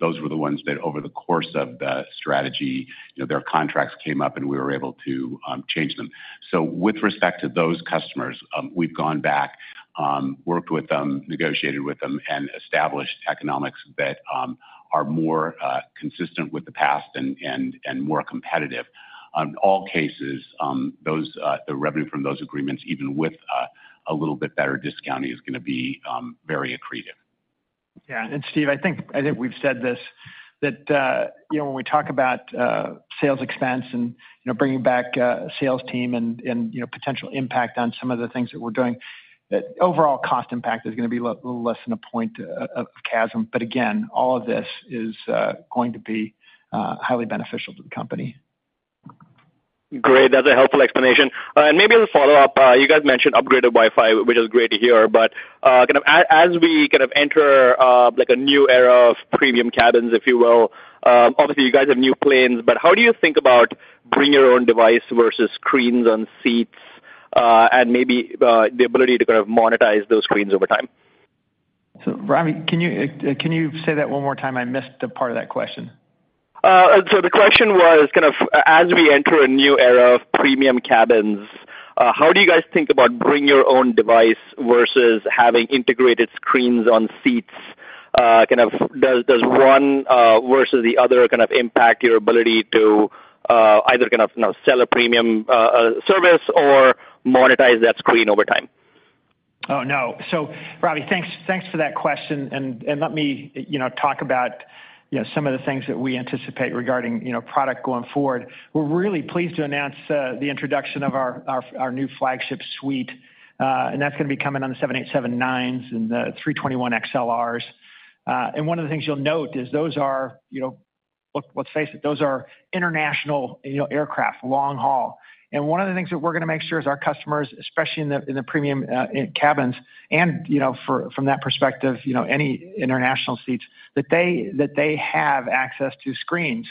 Those were the ones that, over the course of the strategy, you know, their contracts came up and we were able to change them. So with respect to those customers, we've gone back, worked with them, negotiated with them, and established economics that are more consistent with the past and more competitive. In all cases, the revenue from those agreements, even with a little bit better discounting, is going to be very accretive. Yeah. And Stephen, I think we've said this that, you know, when we talk about sales expense and, you know, bringing back a sales team and, you know, potential impact on some of the things that we're doing, that overall cost impact is going to be a little less than a point of CASM. But again, all of this is going to be highly beneficial to the company. Great. That's a helpful explanation. And maybe as a follow-up, you guys mentioned upgraded Wi-Fi, which is great to hear. But kind of as we kind of enter like a new era of premium cabins, if you will, obviously you guys have new planes. But how do you think about bringing your own device versus screens on seats and maybe the ability to kind of monetize those screens over time? So Ravi, can you say that one more time? I missed a part of that question. So the question was kind of as we enter a new era of premium cabins, how do you guys think about bringing your own device versus having integrated screens on seats? Kind of does one versus the other kind of impact your ability to either kind of sell a premium service or monetize that screen over time? Oh, no. So Ravi, thanks for that question. And let me, you know, talk about, you know, some of the things that we anticipate regarding, you know, product going forward. We're really pleased to announce the introduction of our new Flagship Suite. And that's going to be coming on the 787-9s and the A321XLRs. And one of the things you'll note is those are, you know, let's face it, those are international aircraft, long haul. And one of the things that we're going to make sure is our customers, especially in the premium cabins and, you know, from that perspective, you know, any international seats, that they have access to screens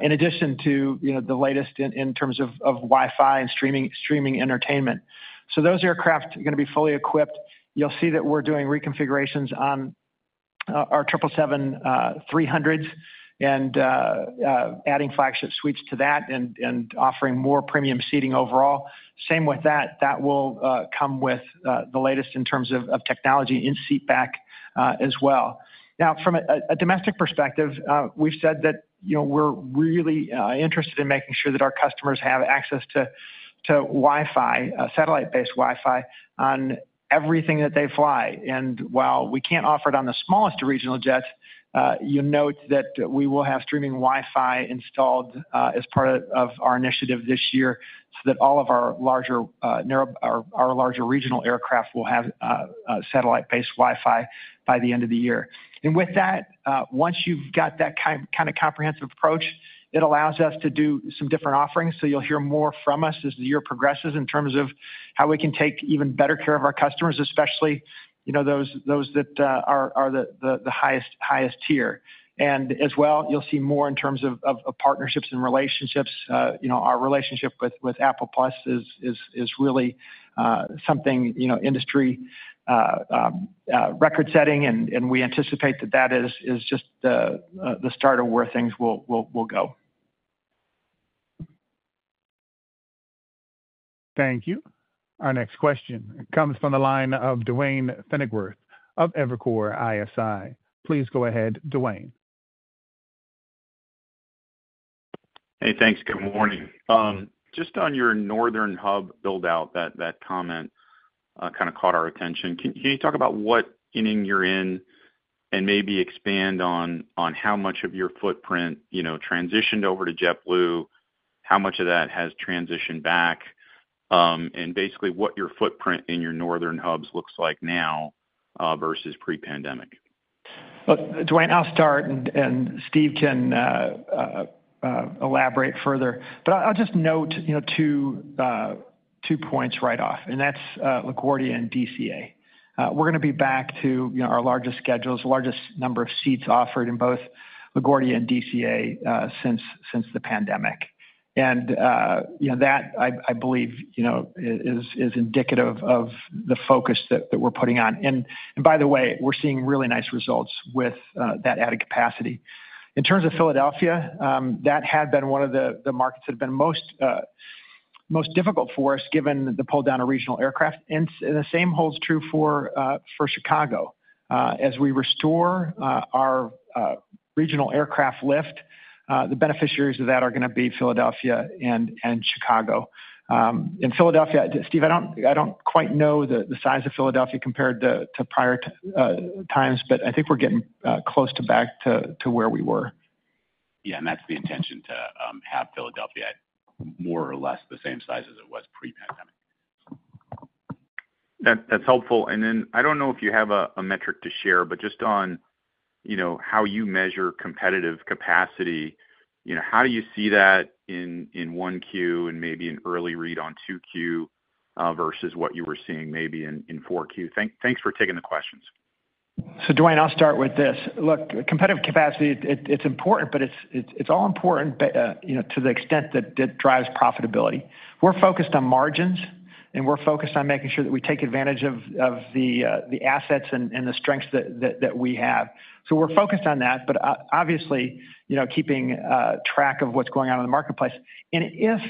in addition to, you know, the latest in terms of Wi-Fi and streaming entertainment. So those aircraft are going to be fully equipped. You'll see that we're doing reconfigurations on our 777-300s and adding Flagship Suites to that and offering more premium seating overall. Same with that, that will come with the latest in terms of technology in seatback as well. Now, from a domestic perspective, we've said that, you know, we're really interested in making sure that our customers have access to Wi-Fi, satellite-based Wi-Fi on everything that they fly. And while we can't offer it on the smallest regional jets, you note that we will have streaming Wi-Fi installed as part of our initiative this year so that all of our larger regional aircraft will have satellite-based Wi-Fi by the end of the year. And with that, once you've got that kind of comprehensive approach, it allows us to do some different offerings. So you'll hear more from us as the year progresses in terms of how we can take even better care of our customers, especially, you know, those that are the highest tier. And as well, you'll see more in terms of partnerships and relationships. You know, our relationship with Apple Plus is really something, you know, industry record-setting. And we anticipate that that is just the start of where things will go. Thank you. Our next question comes from the line of Duane Pfennigwerth of Evercore ISI. Please go ahead, Duane. Hey, thanks. Good morning. Just on your northern hub build-out, that comment kind of caught our attention. Can you talk about what end you're in and maybe expand on how much of your footprint, you know, transitioned over to JetBlue? How much of that has transitioned back? And basically what your footprint in your northern hubs looks like now versus pre-pandemic? Duane, I'll start and Stephen can elaborate further. But I'll just note, you know, two points right off, and that's LaGuardia and DCA. We're going to be back to, you know, our largest schedules, largest number of seats offered in both LaGuardia and DCA since the pandemic, and, you know, that I believe, you know, is indicative of the focus that we're putting on. And by the way, we're seeing really nice results with that added capacity. In terms of Philadelphia, that had been one of the markets that had been most difficult for us given the pull-down of regional aircraft, and the same holds true for Chicago. As we restore our regional aircraft lift, the beneficiaries of that are going to be Philadelphia and Chicago. In Philadelphia, Steve, I don't quite know the size of Philadelphia compared to prior times, but I think we're getting close back to where we were. Yeah, and that's the intention to have Philadelphia more or less the same size as it was pre-pandemic. That's helpful, and then I don't know if you have a metric to share, but just on, you know, how you measure competitive capacity, you know, how do you see that in 1Q and maybe an early read on 2Q versus what you were seeing maybe in 4Q? Thanks for taking the questions. Duane, I'll start with this. Look, competitive capacity, it's important, but it's all important, you know, to the extent that it drives profitability. We're focused on margins and we're focused on making sure that we take advantage of the assets and the strengths that we have. We're focused on that, but obviously, you know, keeping track of what's going on in the marketplace. And if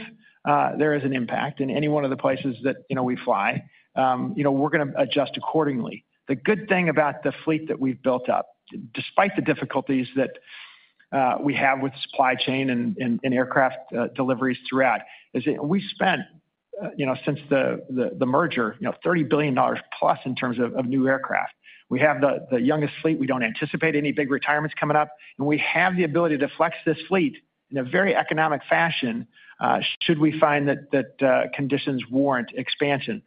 there is an impact in any one of the places that, you know, we fly, you know, we're going to adjust accordingly. The good thing about the fleet that we've built up, despite the difficulties that we have with supply chain and aircraft deliveries throughout, is that we spent, you know, since the merger, you know, $30 billion plus in terms of new aircraft. We have the youngest fleet. We don't anticipate any big retirements coming up. And we have the ability to flex this fleet in a very economic fashion should we find that conditions warrant expansion.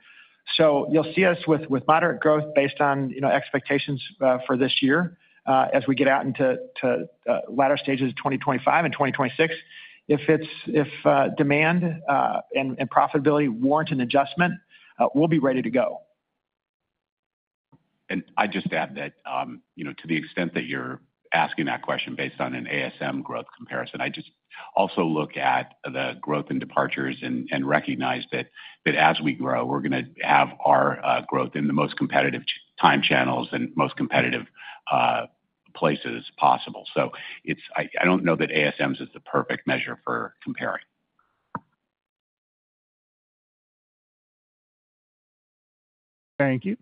So you'll see us with moderate growth based on, you know, expectations for this year as we get out into latter stages of 2025 and 2026. If demand and profitability warrant an adjustment, we'll be ready to go. I just add that, you know, to the extent that you're asking that question based on an ASM growth comparison, I just also look at the growth and departures and recognize that as we grow, we're going to have our growth in the most competitive time channels and most competitive places possible. So I don't know that ASMs is the perfect measure for comparing. Thank you.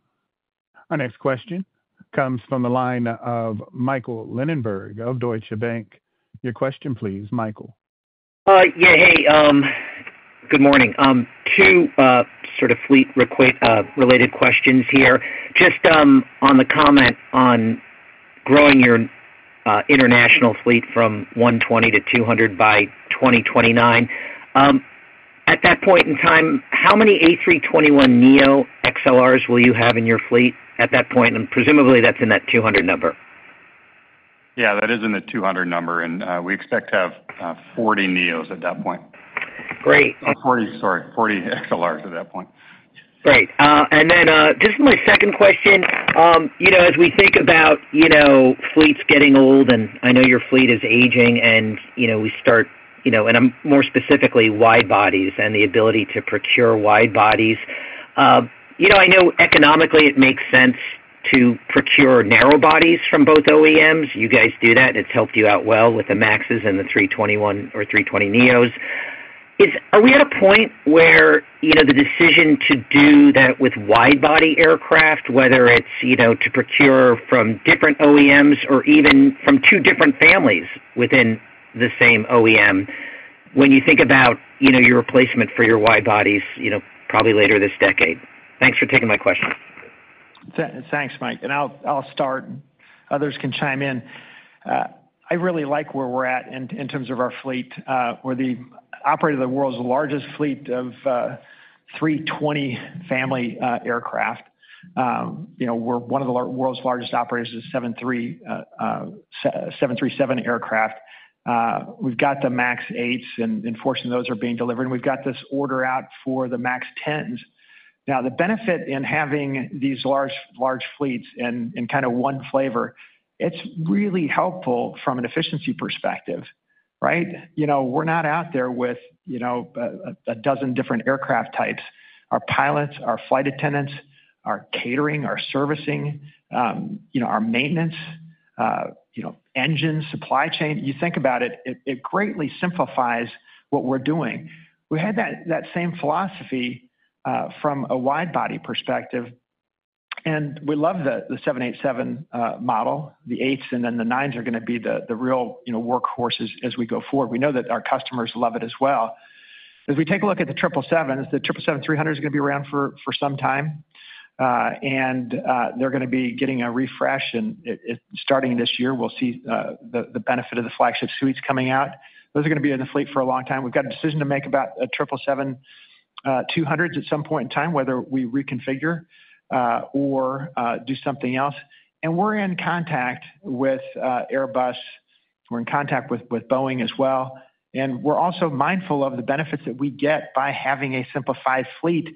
Our next question comes from the line of Michael Lindenberg of Deutsche Bank. Your question, please, Michael. Yeah, hey, good morning. Two sort of fleet-related questions here. Just on the comment on growing your international fleet from 120 to 200 by 2029. At that point in time, how many A321neo XLRs will you have in your fleet at that point? And presumably that's in that 200 number. Yeah, that is in the 200 number. And we expect to have 40 neos at that point. Great. Sorry, 40 XLRs at that point. Great. And then just my second question, you know, as we think about, you know, fleets getting old, and I know your fleet is aging, and, you know, we start, you know, and more specifically wide bodies and the ability to procure wide bodies. You know, I know economically it makes sense to procure narrow bodies from both OEMs. You guys do that, and it's helped you out well with the Maxes and the 321 or 320 neos. Are we at a point where, you know, the decision to do that with wide body aircraft, whether it's, you know, to procure from different OEMs or even from two different families within the same OEM, when you think about, you know, your replacement for your wide bodies, you know, probably later this decade? Thanks for taking my question. Thanks, Michael. And I'll start. Others can chime in. I really like where we're at in terms of our fleet. We're the operator of the world's largest fleet of A320 family aircraft. You know, we're one of the world's largest operators of 737 aircraft. We've got the MAX 8s, and fortunately those are being delivered. And we've got this order out for the MAX 10s. Now, the benefit in having these large fleets and kind of one flavor, it's really helpful from an efficiency perspective, right? You know, we're not out there with, you know, a dozen different aircraft types. Our pilots, our flight attendants, our catering, our servicing, you know, our maintenance, you know, engines, supply chain, you think about it, it greatly simplifies what we're doing. We had that same philosophy from a wide-body perspective. And we love the 787 model. The 8s and then the 9s are going to be the real workhorses as we go forward. We know that our customers love it as well. As we take a look at the 777s, the 777-300 is going to be around for some time, and they're going to be getting a refresh, and starting this year, we'll see the benefit of the flagship suites coming out. Those are going to be in the fleet for a long time. We've got a decision to make about 777-200s at some point in time, whether we reconfigure or do something else, and we're in contact with Airbus. We're in contact with Boeing as well, and we're also mindful of the benefits that we get by having a simplified fleet,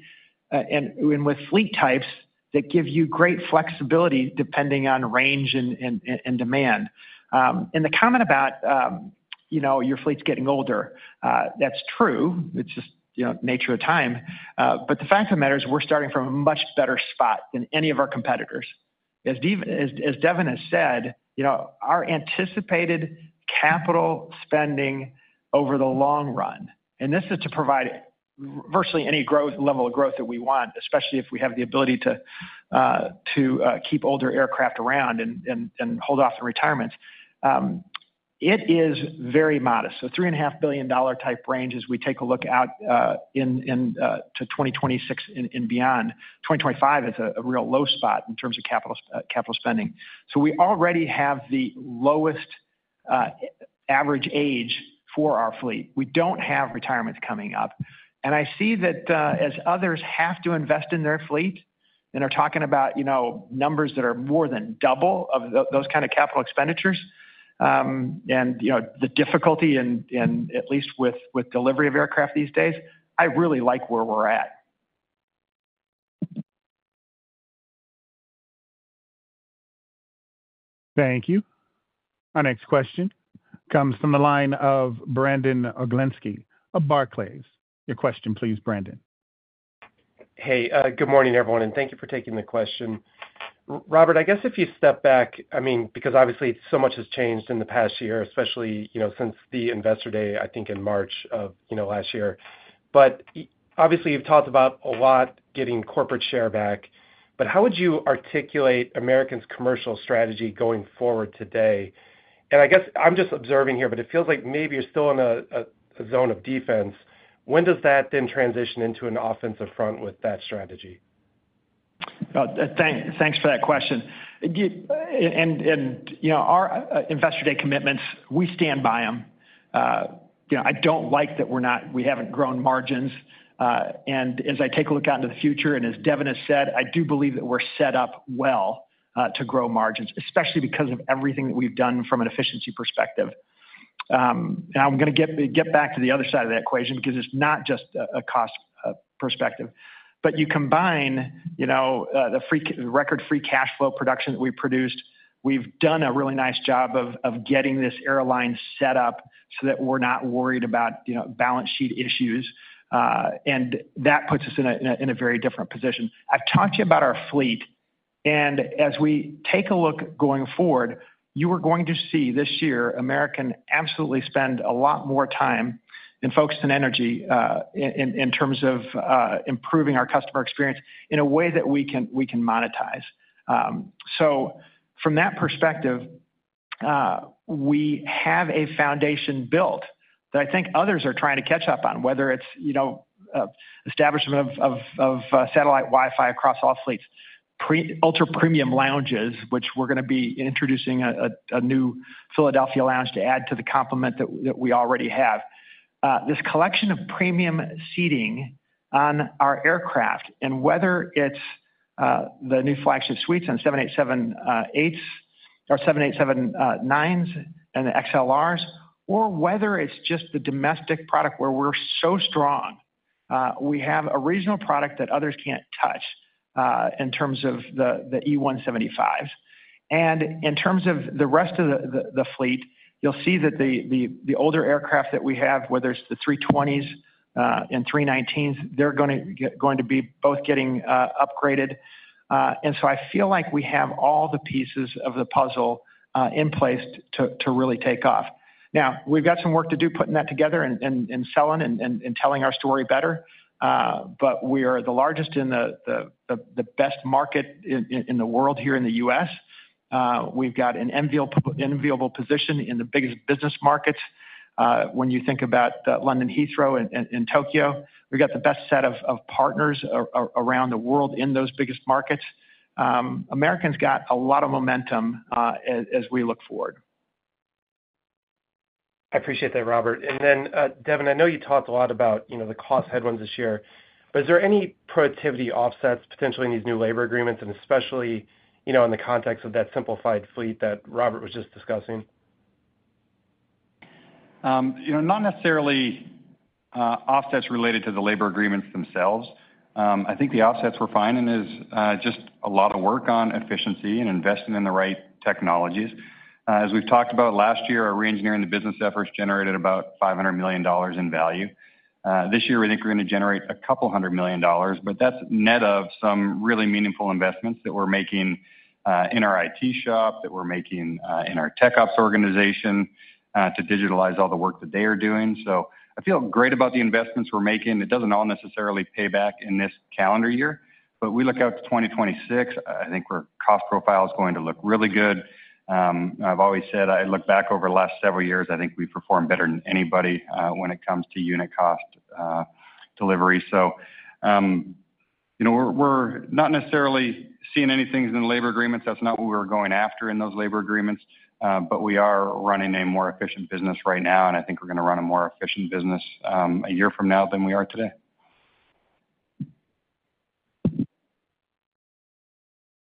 and with fleet types, that give you great flexibility depending on range and demand. And the comment about, you know, your fleet's getting older, that's true. It's just, you know, nature of time. But the fact of the matter is we're starting from a much better spot than any of our competitors. As Devon has said, you know, our anticipated capital spending over the long run, and this is to provide virtually any level of growth that we want, especially if we have the ability to keep older aircraft around and hold off the retirements, it is very modest. So $3.5 billion type range as we take a look out into 2026 and beyond. 2025 is a real low spot in terms of capital spending. So we already have the lowest average age for our fleet. We don't have retirements coming up. I see that as others have to invest in their fleet and are talking about, you know, numbers that are more than double of those kind of capital expenditures and, you know, the difficulty in at least with delivery of aircraft these days. I really like where we're at. Thank you. Our next question comes from the line of Brandon Oglenski of Barclays. Your question, please, Brandon. Hey, good morning, everyone. And thank you for taking the question. Robert, I guess if you step back, I mean, because obviously so much has changed in the past year, especially, you know, since the investor day, I think in March of, you know, last year. But obviously you've talked about a lot getting corporate share back. But how would you articulate American's commercial strategy going forward today? And I guess I'm just observing here, but it feels like maybe you're still in a zone of defense. When does that then transition into an offensive front with that strategy? Thanks for that question, and, you know, our investor day commitments, we stand by them. You know, I don't like that we haven't grown margins. And as I take a look out into the future, and as Devon has said, I do believe that we're set up well to grow margins, especially because of everything that we've done from an efficiency perspective, and I'm going to get back to the other side of the equation because it's not just a cost perspective. But you combine, you know, the record free cash flow production that we've produced, we've done a really nice job of getting this airline set up so that we're not worried about, you know, balance sheet issues, and that puts us in a very different position. I've talked to you about our fleet. And as we take a look going forward, you are going to see this year American absolutely spend a lot more time and focus on energy in terms of improving our customer experience in a way that we can monetize. So from that perspective, we have a foundation built that I think others are trying to catch up on, whether it's, you know, establishment of satellite Wi-Fi across all fleets, ultra premium lounges, which we're going to be introducing a new Philadelphia lounge to add to the complement that we already have. This collection of premium seating on our aircraft and whether it's the new flagship suites and 787-8s or 787-9s and the XLRs, or whether it's just the domestic product where we're so strong, we have a regional product that others can't touch in terms of the E175s. And in terms of the rest of the fleet, you'll see that the older aircraft that we have, whether it's the 320s and 319s, they're going to be both getting upgraded. And so I feel like we have all the pieces of the puzzle in place to really take off. Now, we've got some work to do putting that together and selling and telling our story better. But we are the largest and the best market in the world here in the U.S. We've got an enviable position in the biggest business markets. When you think about London Heathrow and Tokyo, we've got the best set of partners around the world in those biggest markets. America's got a lot of momentum as we look forward. I appreciate that, Robert. And then, Devon, I know you talked a lot about, you know, the cost headwinds this year. But is there any productivity offsets potentially in these new labor agreements and especially, you know, in the context of that simplified fleet that Robert was just discussing? You know, not necessarily offsets related to the labor agreements themselves. I think the offsets were fine and is just a lot of work on efficiency and investing in the right technologies. As we've talked about last year, our re-engineering of the business efforts generated about $500 million in value. This year, we think we're going to generate a couple hundred million dollars, but that's net of some really meaningful investments that we're making in our IT shop, that we're making in our tech ops organization to digitalize all the work that they are doing. So I feel great about the investments we're making. It doesn't all necessarily pay back in this calendar year, but we look out to 2026. I think our cost profile is going to look really good. I've always said I look back over the last several years, I think we perform better than anybody when it comes to unit cost delivery. So, you know, we're not necessarily seeing any things in the labor agreements. That's not what we were going after in those labor agreements. But we are running a more efficient business right now. And I think we're going to run a more efficient business a year from now than we are today.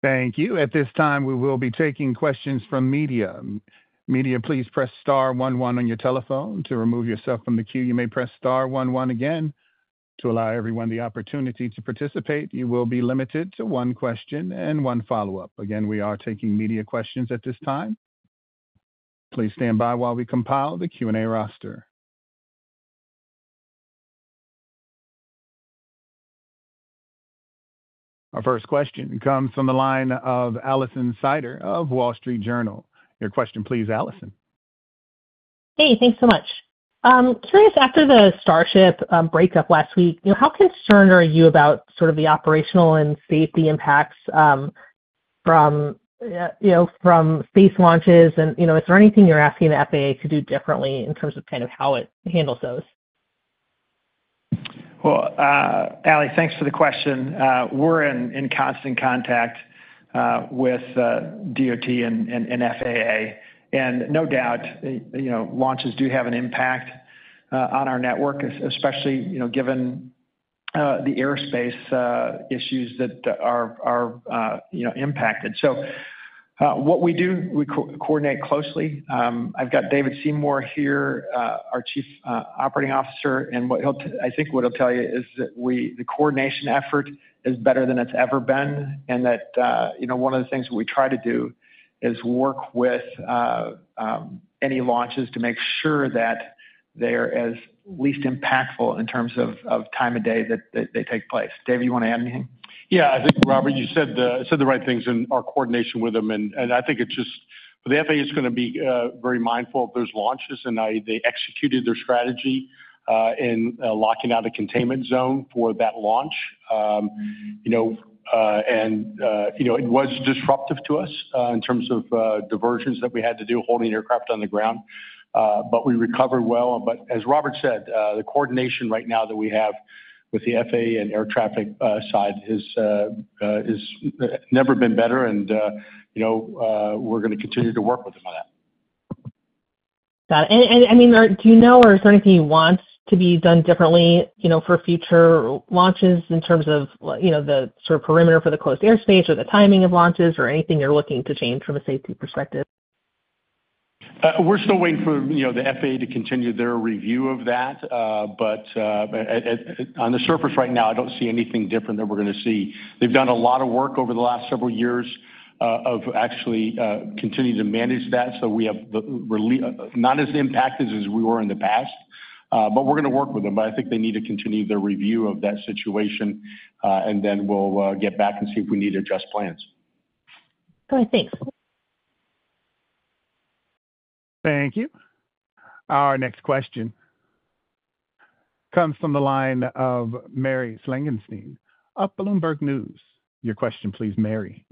Thank you. At this time, we will be taking questions from media. Media, please press star 1 1 on your telephone to remove yourself from the queue. You may press star 1 1 again to allow everyone the opportunity to participate. You will be limited to one question and one follow-up. Again, we are taking media questions at this time. Please stand by while we compile the Q&A roster. Our first question comes from the line of Alison Sider of Wall Street Journal. Your question, please, Alison. Hey, thanks so much. Curious, after the Starship breakup last week, you know, how concerned are you about sort of the operational and safety impacts from, you know, from space launches? And, you know, is there anything you're asking the FAA to do differently in terms of kind of how it handles those? Ali, thanks for the question. We're in constant contact with DOT and FAA. No doubt, you know, launches do have an impact on our network, especially, you know, given the airspace issues that are, you know, impacted. So what we do, we coordinate closely. I've got David Seymour here, our Chief Operating Officer. I think what he'll tell you is that the coordination effort is better than it's ever been. That, you know, one of the things that we try to do is work with any launches to make sure that they're as least impactful in terms of time of day that they take place. David, you want to add anything? Yeah, I think Robert, you said the right things in our coordination with them. And I think it's just the FAA is going to be very mindful of those launches. And they executed their strategy in locking out a containment zone for that launch. You know, and you know, it was disruptive to us in terms of diversions that we had to do holding aircraft on the ground. But we recovered well. But as Robert said, the coordination right now that we have with the FAA and air traffic side has never been better. And you know, we're going to continue to work with them on that. Got it. And I mean, do you know, or is there anything you want to be done differently, you know, for future launches in terms of, you know, the sort of perimeter for the closed airspace or the timing of launches or anything you're looking to change from a safety perspective? We're still waiting for, you know, the FAA to continue their review of that. But on the surface right now, I don't see anything different that we're going to see. They've done a lot of work over the last several years of actually continuing to manage that. So we have not as impacted as we were in the past. But we're going to work with them. But I think they need to continue their review of that situation. And then we'll get back and see if we need to adjust plans. All right, thanks. Thank you. Our next question comes from the line of Mary Schlangenstein of Bloomberg News. Your question, please, Mary.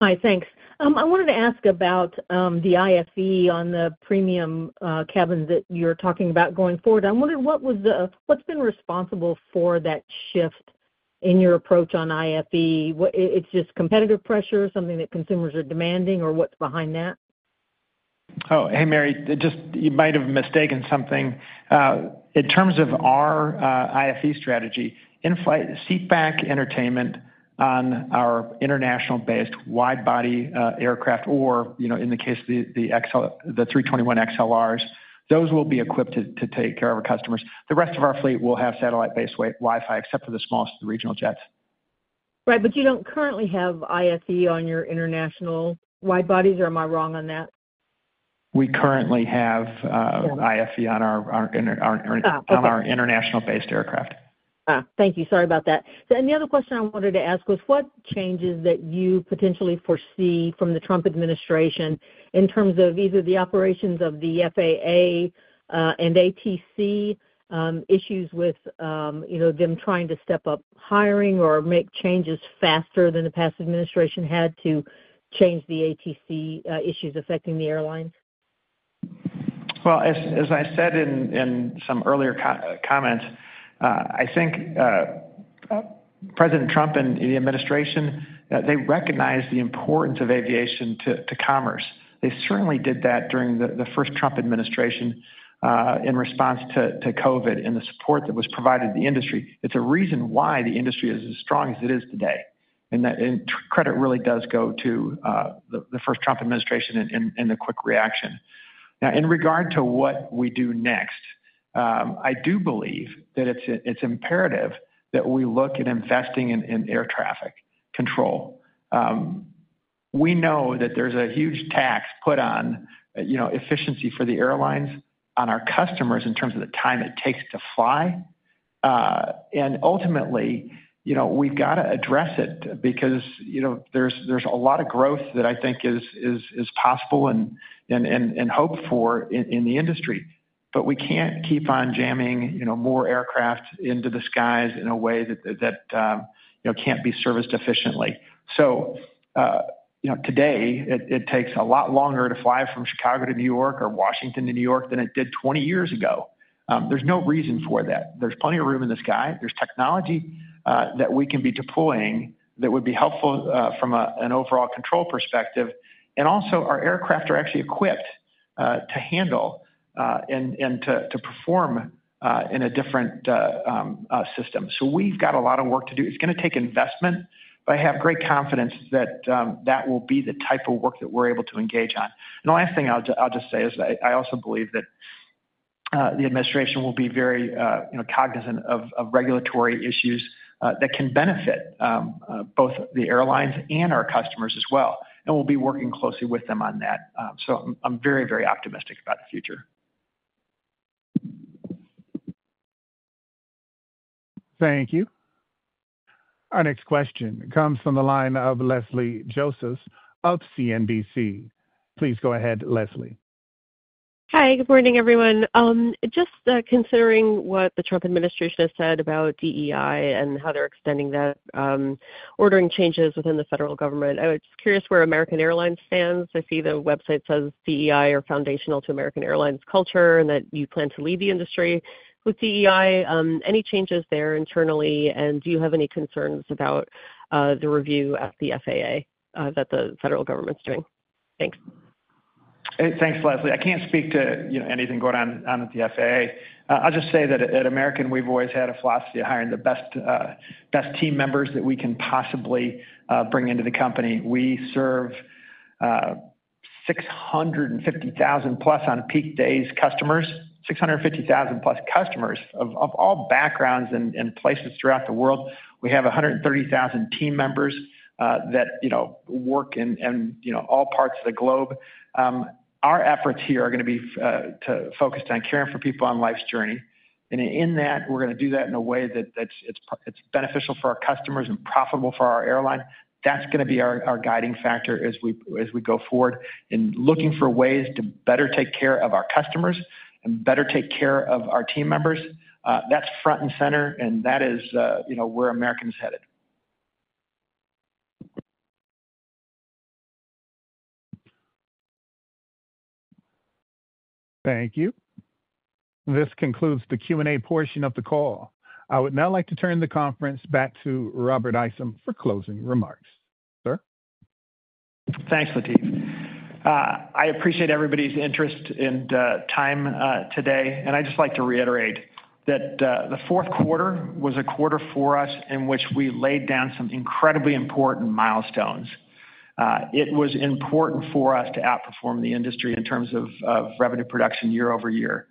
Hi, thanks. I wanted to ask about the IFE on the premium cabin that you're talking about going forward. I wondered what was the, what's been responsible for that shift in your approach on IFE? It's just competitive pressure, something that consumers are demanding, or what's behind that? Oh, hey, Mary, just you might have mistaken something. In terms of our IFE strategy, seatback entertainment on our international-based wide-body aircraft, or, you know, in the case of the A321XLRs, those will be equipped to take care of our customers. The rest of our fleet will have satellite-based Wi-Fi, except for the smallest of the regional jets. Right, but you don't currently have IFE on your international wide-bodies, or am I wrong on that? We currently have IFE on our international-based aircraft. Thank you. Sorry about that. So the other question I wanted to ask was what changes that you potentially foresee from the Trump administration in terms of either the operations of the FAA and ATC issues with, you know, them trying to step up hiring or make changes faster than the past administration had to change the ATC issues affecting the airlines? As I said in some earlier comments, I think President Trump and the administration, they recognize the importance of aviation to commerce. They certainly did that during the first Trump administration in response to COVID and the support that was provided to the industry. It's a reason why the industry is as strong as it is today. And credit really does go to the first Trump administration and the quick reaction. Now, in regard to what we do next, I do believe that it's imperative that we look at investing in air traffic control. We know that there's a huge tax put on, you know, efficiency for the airlines on our customers in terms of the time it takes to fly. And ultimately, you know, we've got to address it because, you know, there's a lot of growth that I think is possible and hoped for in the industry. But we can't keep on jamming, you know, more aircraft into the skies in a way that, you know, can't be serviced efficiently. So, you know, today, it takes a lot longer to fly from Chicago to New York or Washington to New York than it did 20 years ago. There's no reason for that. There's plenty of room in the sky. There's technology that we can be deploying that would be helpful from an overall control perspective. And also, our aircraft are actually equipped to handle and to perform in a different system. So we've got a lot of work to do. It's going to take investment, but I have great confidence that that will be the type of work that we're able to engage on. And the last thing I'll just say is I also believe that the administration will be very, you know, cognizant of regulatory issues that can benefit both the airlines and our customers as well. And we'll be working closely with them on that. So I'm very, very optimistic about the future. Thank you. Our next question comes from the line of Leslie Josephs of CNBC. Please go ahead, Leslie. Hi, good morning, everyone. Just considering what the Trump administration has said about DEI and how they're extending that, ordering changes within the federal government, I was curious where American Airlines stands. I see the website says DEI are foundational to American Airlines culture and that you plan to leave the industry with DEI. Any changes there internally? And do you have any concerns about the review at the FAA that the federal government's doing? Thanks. Thanks, Leslie. I can't speak to, you know, anything going on at the FAA. I'll just say that at American, we've always had a philosophy of hiring the best team members that we can possibly bring into the company. We serve 650,000 plus on peak days customers, 650,000 plus customers of all backgrounds and places throughout the world. We have 130,000 team members that, you know, work in, you know, all parts of the globe. Our efforts here are going to be focused on caring for people on life's journey. And in that, we're going to do that in a way that it's beneficial for our customers and profitable for our airline. That's going to be our guiding factor as we go forward in looking for ways to better take care of our customers and better take care of our team members. That's front and center. That is, you know, where American is headed. Thank you. This concludes the Q&A portion of the call. I would now like to turn the conference back to Robert Isom for closing remarks. Sir? Thanks, Latif. I appreciate everybody's interest and time today, and I'd just like to reiterate that the fourth quarter was a quarter for us in which we laid down some incredibly important milestones. It was important for us to outperform the industry in terms of revenue production year over year.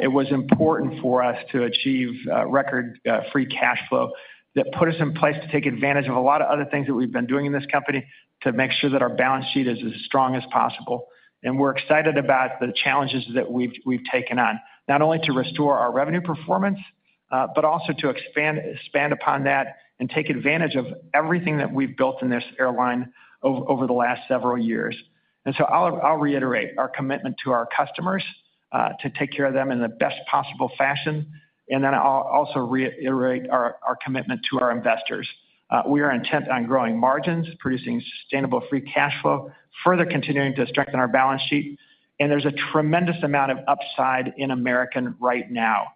It was important for us to achieve record free cash flow that put us in place to take advantage of a lot of other things that we've been doing in this company to make sure that our balance sheet is as strong as possible, and we're excited about the challenges that we've taken on, not only to restore our revenue performance, but also to expand upon that and take advantage of everything that we've built in this airline over the last several years. And so I'll reiterate our commitment to our customers to take care of them in the best possible fashion. And then I'll also reiterate our commitment to our investors. We are intent on growing margins, producing sustainable free cash flow, further continuing to strengthen our balance sheet. And there's a tremendous amount of upside in American right now.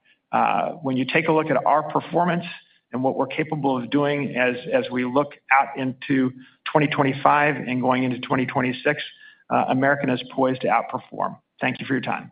When you take a look at our performance and what we're capable of doing as we look out into 2025 and going into 2026, American is poised to outperform. Thank you for your time.